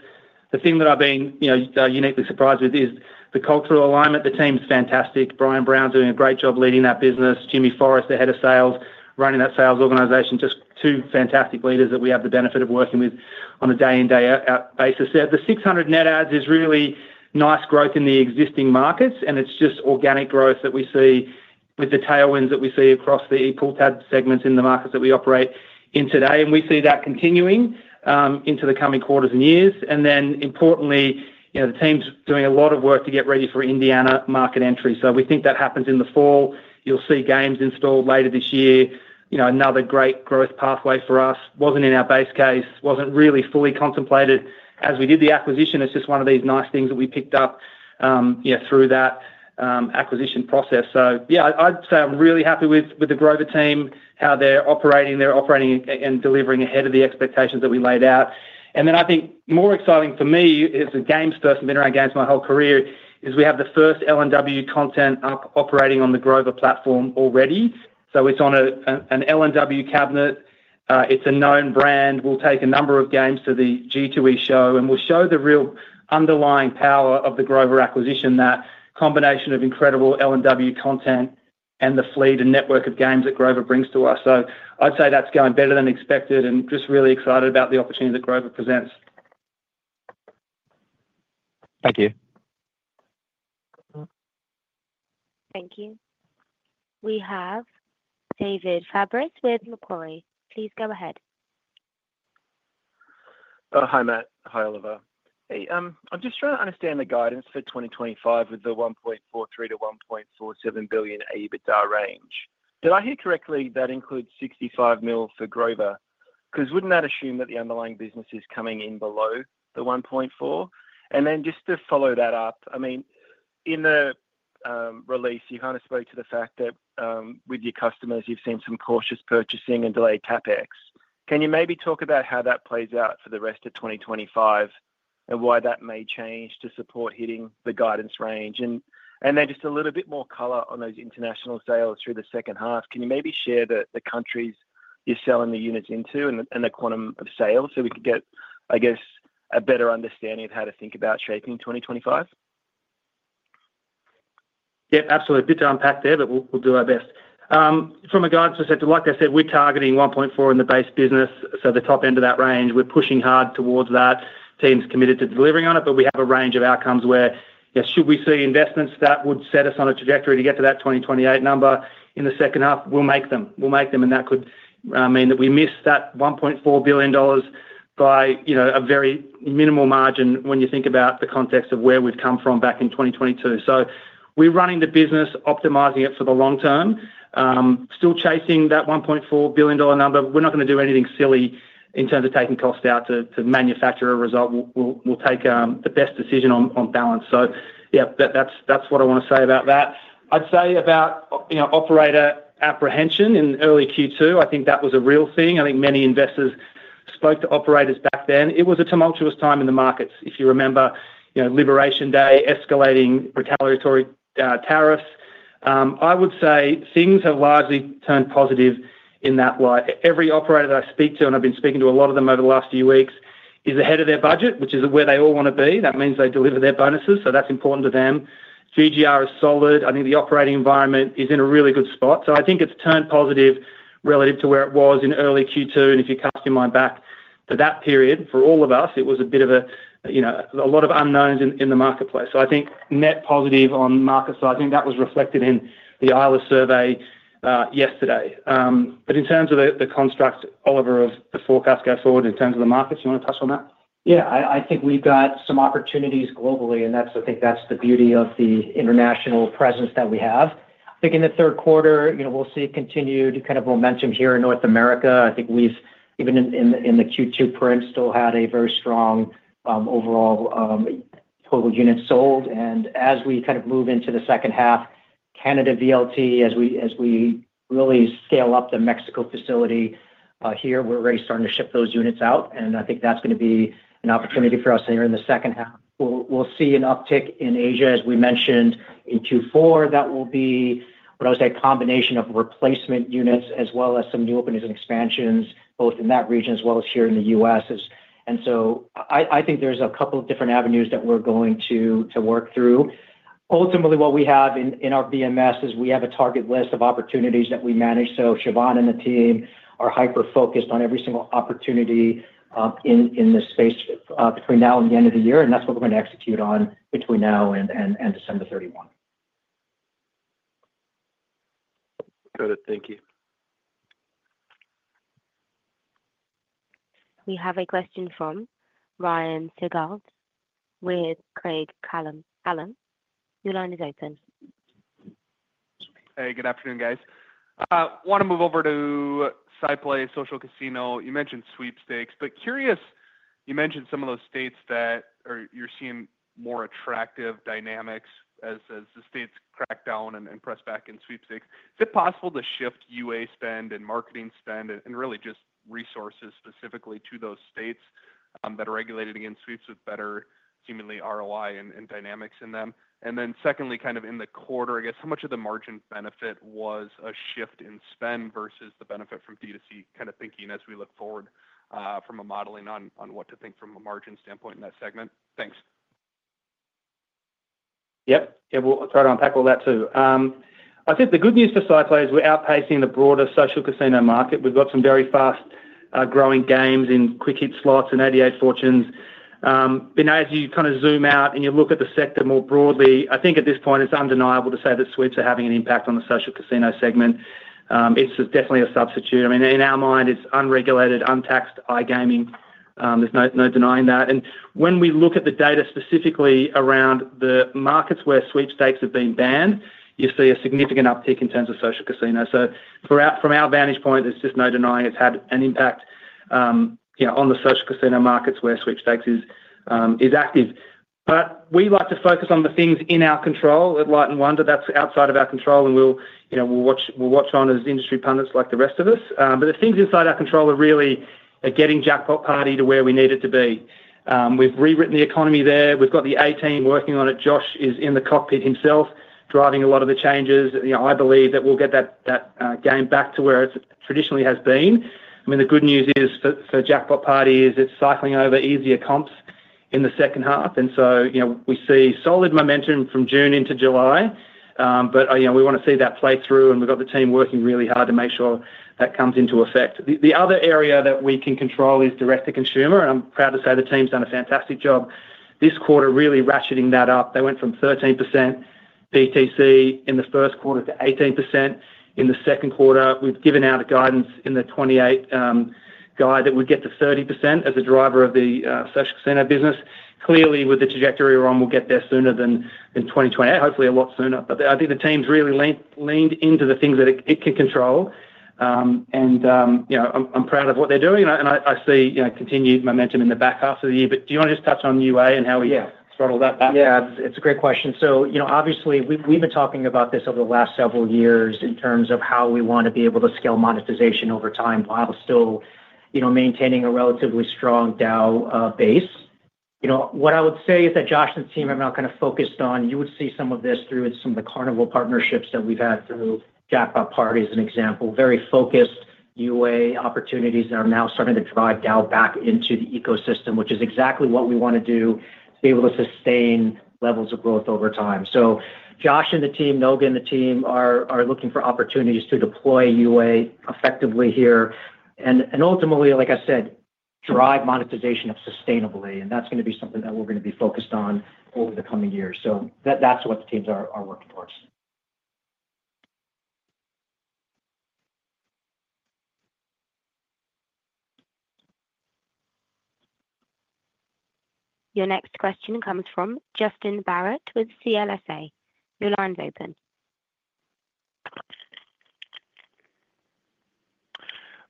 The thing that I've been uniquely surprised with is the cultural alignment. The team's fantastic. Brian Brown is doing a great job leading that business. Jimmy Forrest, the Head of Sales, is running that sales organization, just two fantastic leaders that we have the benefit of working with on a day-in-day-out basis. The 600 net adds is really nice growth in the existing markets, and it's just organic growth that we see with the tailwinds that we see across the pool pad segments in the markets that we operate in today. We see that continuing into the coming quarters and years. Importantly, the team's doing a lot of work to get ready for Indiana market entry. We think that happens in the fall. You'll see games installed later this year. Another great growth pathway for us wasn't in our base case, wasn't really fully contemplated as we did the acquisition. It's just one of these nice things that we picked up through that acquisition process. I'd say I'm really happy with the Grover team, how they're operating. They're operating and delivering ahead of the expectations that we laid out. I think more exciting for me as a games person, been around games my whole career, is we have the first Light & Wonder content operating on the Grover platform already. It's on a Light & Wonder cabinet. It's a known brand. We'll take a number of games to the G2E show, and we'll show the real underlying power of the Grover acquisition, that combination of incredible Light & Wonder content and the fleet and network of games that Grover brings to us. I'd say that's going better than expected, and just really excited about the opportunity that Grover presents. Thank you. Thank you. We have David Fabris with Macquarie. Please go ahead. Hi Matt. Hi Oliver. Hey, I'm just trying to understand the guidance for 2025 with the $1.43 billion-$1.47 billion EBITDA range. Did I hear correctly that includes $65 million for Grover Gaming? Because wouldn't that assume that the underlying business is coming in below the $1.4? In the release, you kind of spoke to the fact that with your customers, you've seen some cautious purchasing and delayed CapEx. Can you maybe talk about how that plays out for the rest of 2025 and why that may change to support hitting the guidance range? Just a little bit more color on those international sales through the second half. Can you maybe share the countries you're selling the units into and the quantum of sales so we can get, I guess, a better understanding of how to think about shaping 2025? Yeah, absolutely. A bit to unpack there, but we'll do our best. From a guidance perspective, like I said, we're targeting $1.4 billion in the base business. The top end of that range, we're pushing hard towards that. The team's committed to delivering on it, but we have a range of outcomes where, you know, should we see investments that would set us on a trajectory to get to that 2028 number in the second half, we'll make them. We'll make them, and that could mean that we miss that $1.4 billion by, you know, a very minimal margin when you think about the context of where we've come from back in 2022. We're running the business, optimizing it for the long term, still chasing that $1.4 billion number. We're not going to do anything silly in terms of taking costs out to manufacture a result. We'll take the best decision on balance. That's what I want to say about that. I'd say about, you know, operator apprehension in early Q2, I think that was a real thing. I think many investors spoke to operators back then. It was a tumultuous time in the markets. If you remember, you know, Liberation Day, escalating precaritary tariffs. I would say things have largely turned positive in that light. Every operator that I speak to, and I've been speaking to a lot of them over the last few weeks, is ahead of their budget, which is where they all want to be. That means they deliver their bonuses, so that's important to them. GGR is solid. I think the operating environment is in a really good spot. I think it's turned positive relative to where it was in early Q2. If you cast your mind back to that period, for all of us, it was a bit of a, you know, a lot of unknowns in the marketplace. I think net positive on market sizing, that was reflected in the ILS survey yesterday. In terms of the construct, Oliver, of the forecast going forward in terms of the markets, you want to touch on that? Yeah, I think we've got some opportunities globally, and that's, I think that's the beauty of the international presence that we have. I think in the third quarter, we'll see continued kind of momentum here in North America. I think we've, even in the Q2 print, still had a very strong overall total unit sold. As we kind of move into the second half, Canada VLT, as we really scale up the Mexico facility here, we're already starting to ship those units out. I think that's going to be an opportunity for us here in the second half. We'll see an uptick in Asia, as we mentioned in Q4. That will be, what I would say, a combination of replacement units as well as some new openings and expansions, both in that region as well as here in the U.S. I think there's a couple of different avenues that we're going to work through. Ultimately, what we have in our BMS is we have a target list of opportunities that we manage. Siobhan and the team are hyper-focused on every single opportunity in this space between now and the end of the year. That's what we're going to execute on between now and December 31. Got it. Thank you. We have a question from Ryan Sigdahl from Craig-Hallum. Your line is open. Hey, good afternoon, guys. I want to move over to Sightline Social Casino. You mentioned sweepstakes, but curious, you mentioned some of those states that you're seeing more attractive dynamics as the states crack down and press back in sweepstakes. Is it possible to shift UA spend and marketing spend and really just resources specifically to those states that are regulated against sweeps with better, seemingly ROI and dynamics in them? Secondly, kind of in the quarter, I guess how much of the margin benefit was a shift in spend versus the benefit from B2C kind of thinking as we look forward from a modeling on what to think from a margin standpoint in that segment? Thanks. Yeah, we'll try to unpack all that too. I think the good news for Sightline is we're outpacing the broader social casino market. We've got some very fast growing games in Quick Hit Slots and 88 Fortunes. You know, as you kind of zoom out and you look at the sector more broadly, I think at this point it's undeniable to say that sweeps are having an impact on the social casino segment. It's definitely a substitute. I mean, in our mind, it's unregulated, untaxed iGaming. There's no denying that. When we look at the data specifically around the markets where sweepstakes have been banned, you see a significant uptick in terms of social casinos. From our vantage point, there's just no denying it's had an impact on the social casino markets where sweepstakes is active. We like to focus on the things in our control. At Light & Wonder, that's outside of our control, and we'll watch on as industry pundits like the rest of us. The things inside our control are really getting Jackpot Party to where we need it to be. We've rewritten the economy there. We've got the A team working on it. Josh is in the cockpit himself, driving a lot of the changes. I believe that we'll get that game back to where it traditionally has been. The good news for Jackpot Party is it's cycling over easier comps in the second half. We see solid momentum from June into July. We want to see that play through, and we've got the team working really hard to make sure that comes into effect. The other area that we can control is direct-to-consumer, and I'm proud to say the team's done a fantastic job this quarter, really ratcheting that up. They went from 13% BTC in the first quarter to 18% in the second quarter. We've given out a guidance in the 2028 guide that we get to 30% as a driver of the social casino business. Clearly, with the trajectory we're on, we'll get there sooner than in 2028, hopefully a lot sooner. I think the team's really leaned into the things that it can control. I'm proud of what they're doing, and I see continued momentum in the back half of the year. Do you want to just touch on UA and how we throttle that back? Yeah, it's a great question. Obviously, we've been talking about this over the last several years in terms of how we want to be able to scale monetization over time while still maintaining a relatively strong DAO base. What I would say is that Josh and the team have now kind of focused on, you would see some of this through some of the carnival partnerships that we've had through Jackpot Party as an example, very focused UA opportunities that are now starting to drive DAO back into the ecosystem, which is exactly what we want to do, be able to sustain levels of growth over time. Josh and the team, Nogan and the team are looking for opportunities to deploy UA effectively here and ultimately, like I said, drive monetization sustainably. That's going to be something that we're going to be focused on over the coming years. That's what the teams are working towards. Your next question comes from Justin Barratt with CLSA. Your line's open.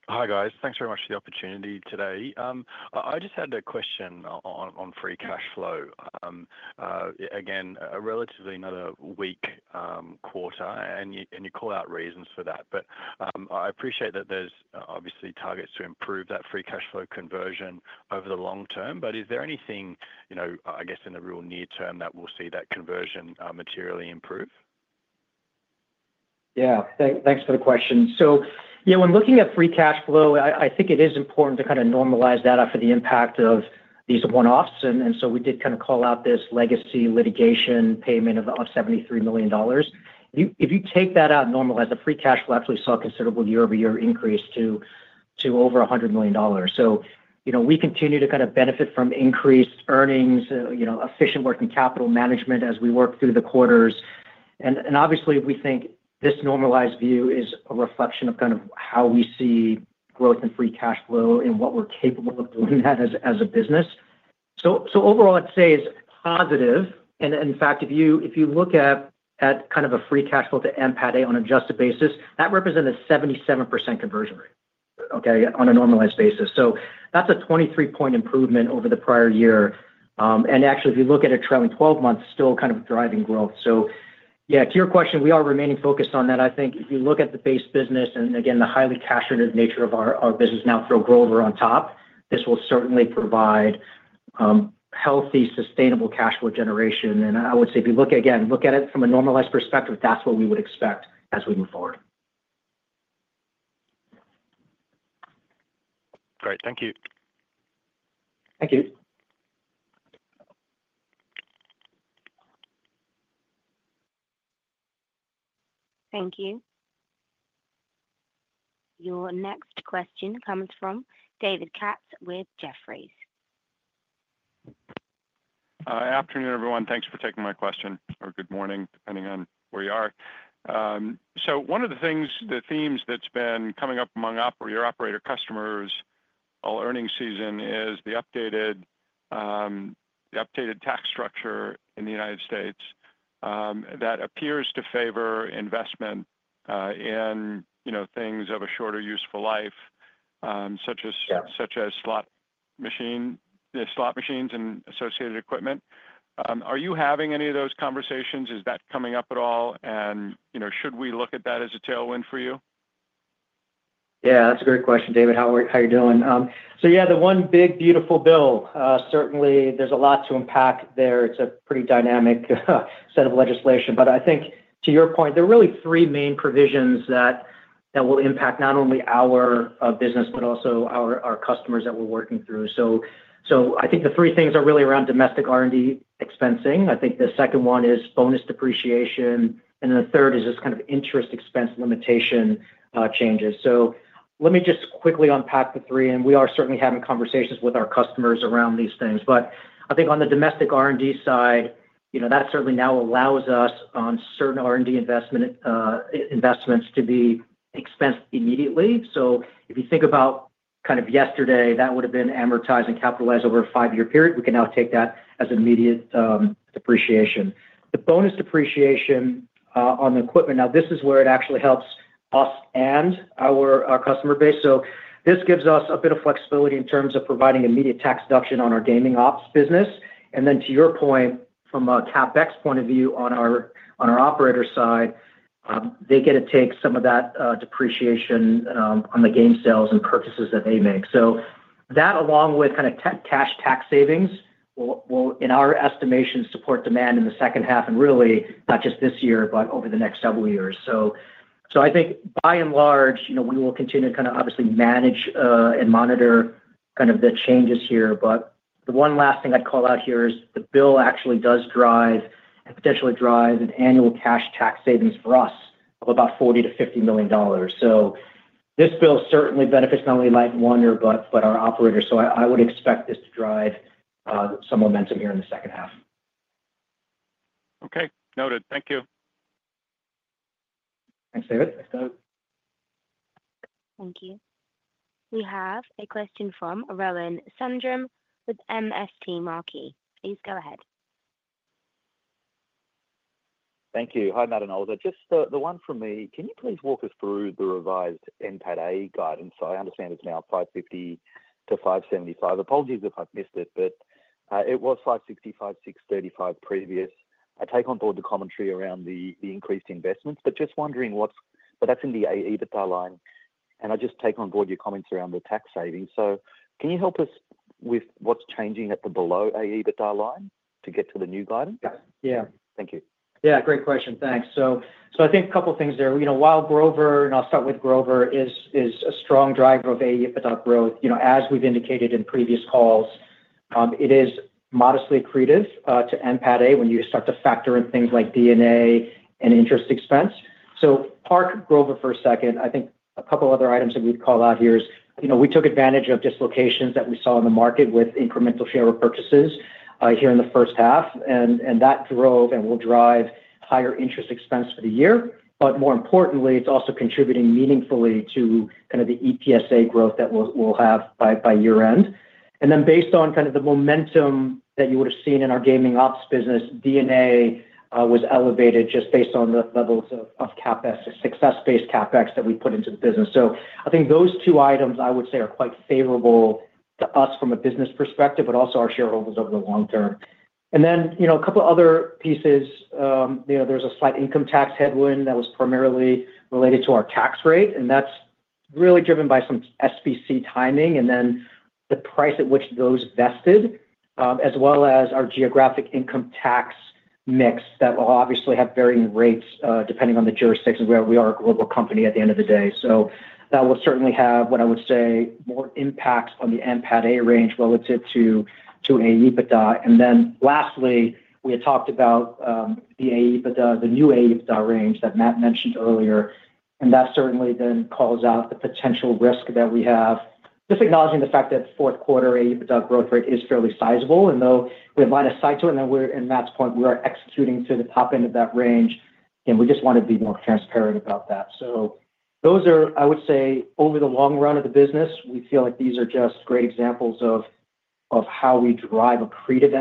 Hi guys, thanks very much for the opportunity today. I just had a question on free cash flow. Again, a relatively another weak quarter, and you call out reasons for that. I appreciate that there's obviously targets to improve that free cash flow conversion over the long term. Is there anything, you know, I guess in the real near term that we'll see that conversion materially improve? Yeah, thanks for the question. When looking at free cash flow, I think it is important to kind of normalize that after the impact of these one-offs. We did kind of call out this legacy litigation payment of $73 million. If you take that out and normalize it, free cash flow actually saw a considerable year-over-year increase to over $100 million. We continue to kind of benefit from increased earnings, efficient working capital management as we work through the quarters. Obviously, we think this normalized view is a reflection of kind of how we see growth in free cash flow and what we're capable of doing that as a business. Overall, I'd say it's positive. In fact, if you look at kind of a free cash flow to NPATA on an adjusted basis, that represents a 77% conversion rate, okay, on a normalized basis. That's a 23-point improvement over the prior year. Actually, if you look at a trailing 12 months, still kind of driving growth. To your question, we are remaining focused on that. I think if you look at the base business and again, the highly cash-related nature of our business now through a Grover on top, this will certainly provide healthy, sustainable cash flow generation. I would say if you look again, look at it from a normalized perspective, that's what we would expect as we move forward. Great, thank you. Thank you. Thank you. Your next question comes from David Katz with Jefferies. Good afternoon, everyone. Thanks for taking my question, or good morning, depending on where you are. One of the themes that's been coming up among your operator customers all earning season is the updated tax structure in the U.S. that appears to favor investment in things of a shorter useful life, such as slot machines and associated equipment. Are you having any of those conversations? Is that coming up at all? Should we look at that as a tailwind for you? Yeah, that's a great question, David. How are you doing? The one big beautiful bill, certainly there's a lot to unpack there. It's a pretty dynamic set of legislation. I think to your point, there are really three main provisions that will impact not only our business, but also our customers that we're working through. The three things are really around domestic R&D expensing. The second one is bonus depreciation, and then the third is just kind of interest expense limitation changes. Let me just quickly unpack the three, and we are certainly having conversations with our customers around these things. On the domestic R&D side, you know, that certainly now allows us on certain R&D investments to be expensed immediately. If you think about kind of yesterday, that would have been amortized and capitalized over a five-year period. We can now take that as immediate depreciation. The bonus depreciation on the equipment, now this is where it actually helps us and our customer base. This gives us a bit of flexibility in terms of providing immediate tax deduction on our gaming ops business. To your point, from a CapEx point of view on our operator side, they get to take some of that depreciation on the game sales and purchases that they make. That, along with kind of cash tax savings, will, in our estimations, support demand in the second half and really not just this year, but over the next several years. By and large, you know, we will continue to kind of obviously manage and monitor kind of the changes here. The one last thing I'd call out here is the bill actually does drive and potentially drives an annual cash tax savings for us of about $40 million-$50 million. This bill certainly benefits not only Light & Wonder, but our operators. I would expect this to drive some momentum here in the second half. Okay, noted. Thank you. Thanks, David. Thanks, David. Thank you. We have a question from Rohan Sundram with MST. Please go ahead. Thank you. Hi Matt and Oliver. Just the one for me, can you please walk us through the revised NPATA guidance? I understand it's now $550 million-$575 million. Apologies if I've missed it, but it was $565 million-$635 million previous. I take on board the commentary around the increased investments, just wondering what's, that's in the AEBITDA line, and I take on board your comments around the tax savings. Can you help us with what's changing at the below AEBITDA line to get to the new guidance? Thank you. Yeah, great question. Thanks. I think a couple of things there. While Grover, and I'll start with Grover, is a strong driver of AEBITDA growth, as we've indicated in previous calls, it is modestly accretive to NPATA when you start to factor in things like D&A and interest expense. Park Grover for a second. I think a couple of other items that we'd call out here is, we took advantage of dislocations that we saw in the market with incremental share repurchases here in the first half, and that drove and will drive higher interest expense for the year. More importantly, it's also contributing meaningfully to the EPS growth that we'll have by year-end. Based on the momentum that you would have seen in our gaming ops business, D&A was elevated just based on the levels of success-based CapEx that we put into the business. I think those two items are quite favorable to us from a business perspective, but also our shareholders over the long term. A couple of other pieces, there's a slight income tax headwind that was primarily related to our tax rate, and that's really driven by some SBC timing and then the price at which those vested, as well as our geographic income tax mix that will obviously have varying rates depending on the jurisdictions where we are a global company at the end of the day. That will certainly have more impacts on the NPATA range relative to AEBITDA. Lastly, we had talked about the AEBITDA, the new AEBITDA range that Matt mentioned earlier, and that certainly then calls out a potential risk that we have, just acknowledging the fact that fourth quarter AEBITDA growth rate is fairly sizable. Though we have line of sight to it, and to Matt's point, we are executing to the top end of that range, we just want to be more transparent about that. Over the long run of the business, we feel like these are just great examples of how we drive accretive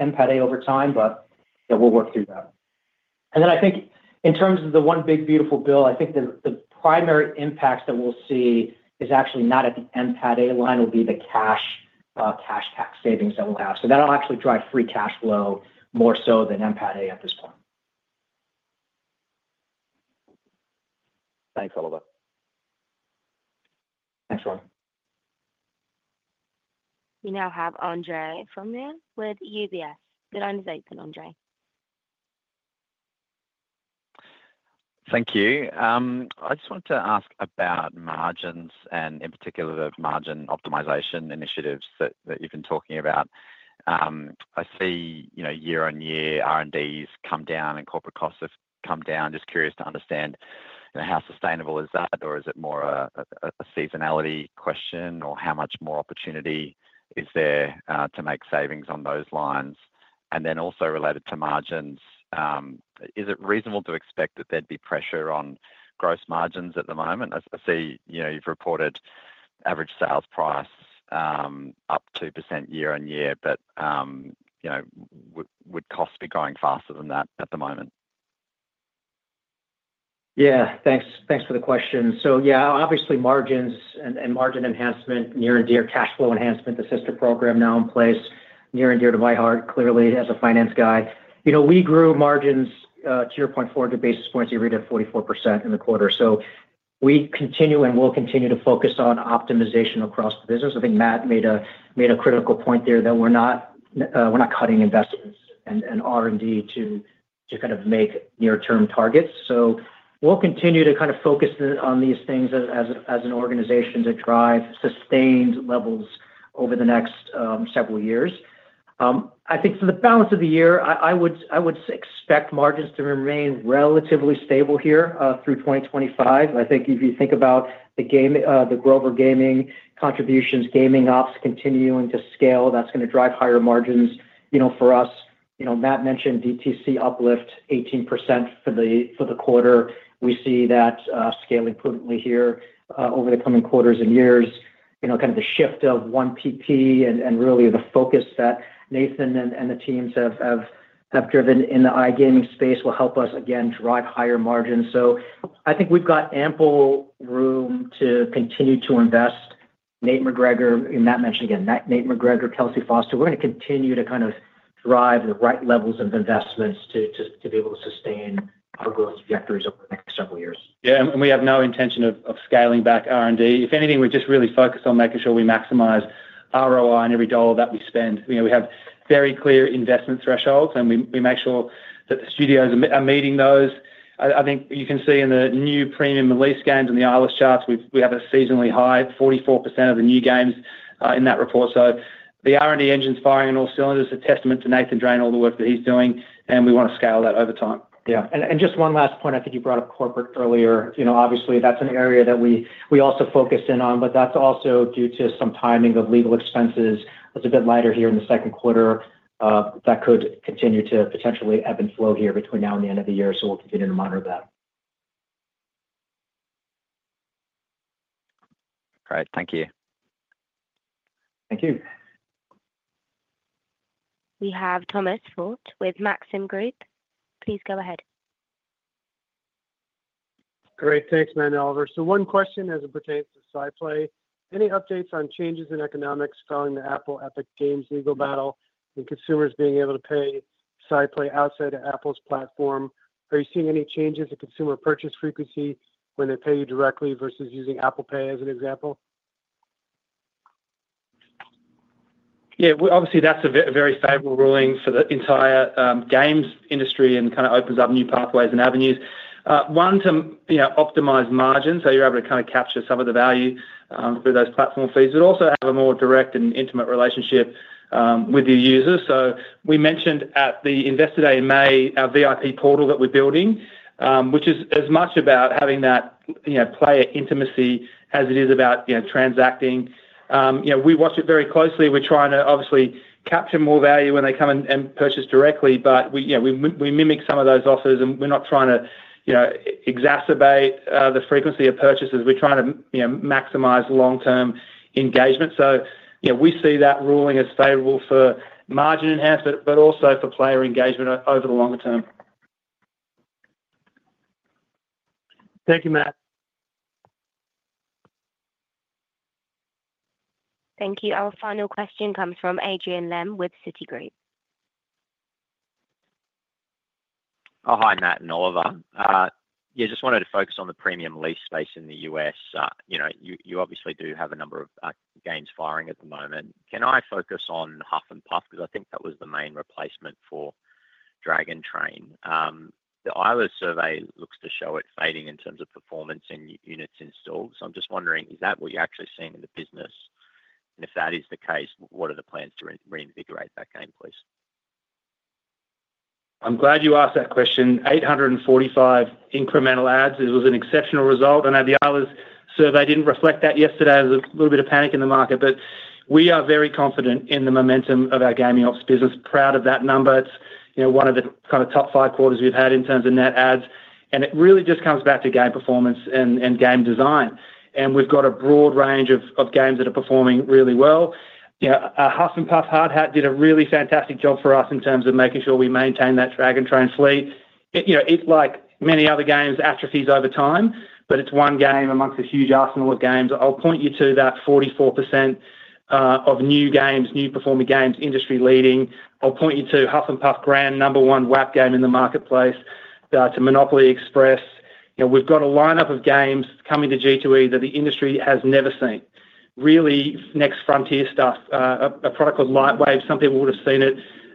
NPATA over time, but we'll work through that. In terms of the one big beautiful bill, I think the primary impacts that we'll see is actually not at the NPATA line, it'll be the cash tax savings that we'll have. That'll actually drive free cash flow more so than NPATA at this time. Thanks, Oliver. Thanks, Rohan. We now have Andre Fromyhr with UBS. Good afternoon, Andre. Thank you. I just wanted to ask about margins and in particular the margin optimization initiatives that you've been talking about. I see, you know, year-on-year R&D's come down and corporate costs have come down. Just curious to understand, you know, how sustainable is that, or is it more a seasonality question, or how much more opportunity is there to make savings on those lines? Also related to margins, is it reasonable to expect that there'd be pressure on gross margins at the moment? I see, you know, you've reported average sales price up 2% year-on-year, but you know, would costs be growing faster than that at the moment? Yeah, thanks. Thanks for the question. Obviously, margins and margin enhancement, year-on-year cash flow enhancement, the sister program now in place, year-on-year to my heart clearly as a finance guy. We grew margins to 0.4 to basis points. You read at 44% in the quarter. We continue and will continue to focus on optimization across the business. I think Matt made a critical point there that we're not cutting investments and R&D to kind of make near-term targets. We'll continue to kind of focus on these things as an organization to drive sustained levels over the next several years. For the balance of the year, I would expect margins to remain relatively stable here through 2025. If you think about the Grover Gaming contributions, gaming ops continuing to scale, that's going to drive higher margins. Matt mentioned DTC uplift 18% for the quarter. We see that scaling prudently here over the coming quarters and years. Kind of the shift of 1PP and really the focus that Nathan and the teams have driven in the iGaming space will help us again drive higher margins. I think we've got ample room to continue to invest. Nate McGregor, Matt mentioned again, Nate McGregor, Kelsey Foster, we're going to continue to kind of drive the right levels of investments to be able to sustain our growth trajectories over the next several years. Yeah, we have no intention of scaling back R&D. If anything, we just really focus on making sure we maximize ROI on every dollar that we spend. We have very clear investment thresholds, and we make sure that the studios are meeting those. I think you can see in the new premium release games and the ILS charts, we have a seasonally high 44% of the new games in that report. The R&D engine's firing on all cylinders, a testament to Nathan Drain and all the work that he's doing, and we want to scale that over time. Yeah, and just one last point, I think you brought up corporate earlier. Obviously that's an area that we also focused in on, but that's also due to some timing of legal expenses. It's a bit lighter here in the second quarter. That could continue to potentially ebb and flow here between now and the end of the year, so we'll continue to monitor that. Great, thank you. Thank you. We have Thomas Forte with Maxim Group. Please go ahead. Great, thanks Matt and Oliver. One question as it pertains to Sightline. Any updates on changes in economics following the Apple Epic Games legal battle and consumers being able to pay Sightline outside of Apple's platform? Are you seeing any changes in consumer purchase frequency when they pay you directly versus using Apple Pay as an example? Yeah, obviously that's a very favorable ruling for the entire games industry and kind of opens up new pathways and avenues. One, to optimize margins so you're able to kind of capture some of the value through those platform fees, but also have a more direct and intimate relationship with your users. We mentioned at the investor day in May our VIP portal that we're building, which is as much about having that player intimacy as it is about transacting. We watch it very closely. We're trying to obviously capture more value when they come and purchase directly, but we mimic some of those offers and we're not trying to exacerbate the frequency of purchases. We're trying to maximize long-term engagement. We see that ruling as favorable for margin enhancement, but also for player engagement over the longer term. Thank you, Matt. Thank you. Our final question comes from Adrian Lemme with Citigroup. Hi, Matt and Oliver. I just wanted to focus on the premium lease space in the U.S. You obviously do have a number of games firing at the moment. Can I focus on Huff N' More Puff? I think that was the main replacement for Dragon Train. The Iowa survey looks to show it's fading in terms of performance and units installed. I'm just wondering, is that what you're actually seeing in the business? If that is the case, what are the plans to reinvigorate that game, please? I'm glad you asked that question. 845 incremental ads. It was an exceptional result. I know the Iowa survey didn't reflect that yesterday. There was a little bit of panic in the market. We are very confident in the momentum of our gaming ops business. Proud of that number. It's one of the kind of top five quarters we've had in terms of net ads. It really just comes back to game performance and game design. We've got a broad range of games that are performing really well. Huff N' More Puff Hardhat did a really fantastic job for us in terms of making sure we maintain that Dragon Train fleet. Like many other games, atrophies over time. It's one game amongst a huge arsenal of games. I'll point you to that 44% of new games, new performing games, industry leading. I'll point you to Huff and More Puff Grand, number one WAP game in the marketplace. To Monopoly Express, we've got a lineup of games coming to G2E that the industry has never seen. Really, next frontier stuff. A product called Lightwave, something we would have seen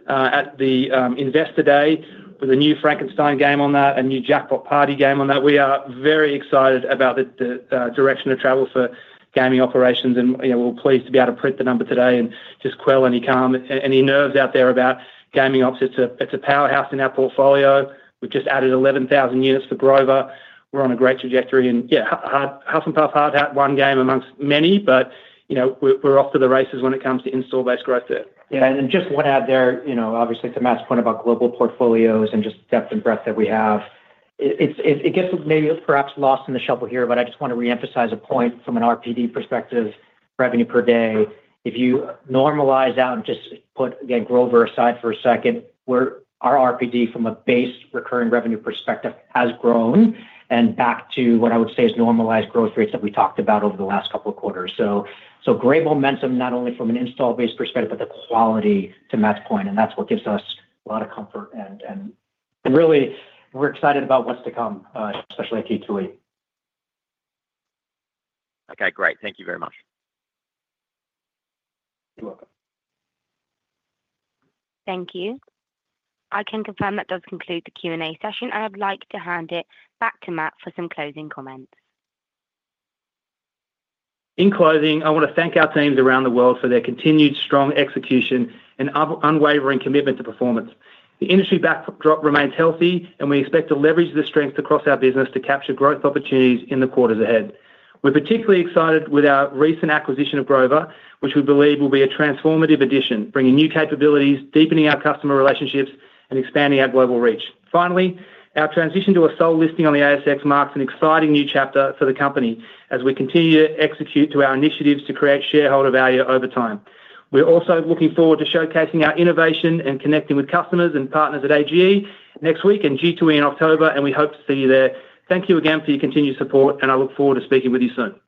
at the Investor Day with a new Frankenstein game on that, a new Jackpot Party game on that. We are very excited about the direction of travel for gaming operations. We're pleased to be able to print the number today and just quell any, calm any nerves out there about gaming ops. It's a powerhouse in our portfolio. We've just added 11,000 units for Grover Gaming. We're on a great trajectory. Huff N' More Puff Hardhat, one game amongst many. We're off to the races when it comes to install-based growth there. Yeah, and just one out there, you know, obviously to Matt's point about global portfolios and just the depth and breadth that we have, it gets maybe perhaps lost in the shuffle here, but I just want to reemphasize a point from an RPD perspective, revenue per day. If you normalize out and just put, again, Grover aside for a second, our RPD from a base recurring revenue perspective has grown and back to what I would say is normalized growth rates that we talked about over the last couple of quarters. Great momentum, not only from an install-based perspective, but the quality to Matt's point. That's what gives us a lot of comfort. Really, we're excited about what's to come, especially at G2E. Okay, great. Thank you very much. Thank you. I can confirm that does conclude the Q&A session. I'd like to hand it back to Matt for some closing comments. In closing, I want to thank our teams around the world for their continued strong execution and unwavering commitment to performance. The industry backdrop remains healthy, and we expect to leverage the strengths across our business to capture growth opportunities in the quarters ahead. We're particularly excited with our recent acquisition of Grover Gaming, which we believe will be a transformative addition, bringing new capabilities, deepening our customer relationships, and expanding our global reach. Finally, our transition to a sole listing on the ASX marks an exciting new chapter for the company as we continue to execute our initiatives to create shareholder value over time. We're also looking forward to showcasing our innovation and connecting with customers and partners at AGE next week and G2E in October, and we hope to see you there. Thank you again for your continued support, and I look forward to speaking with you soon.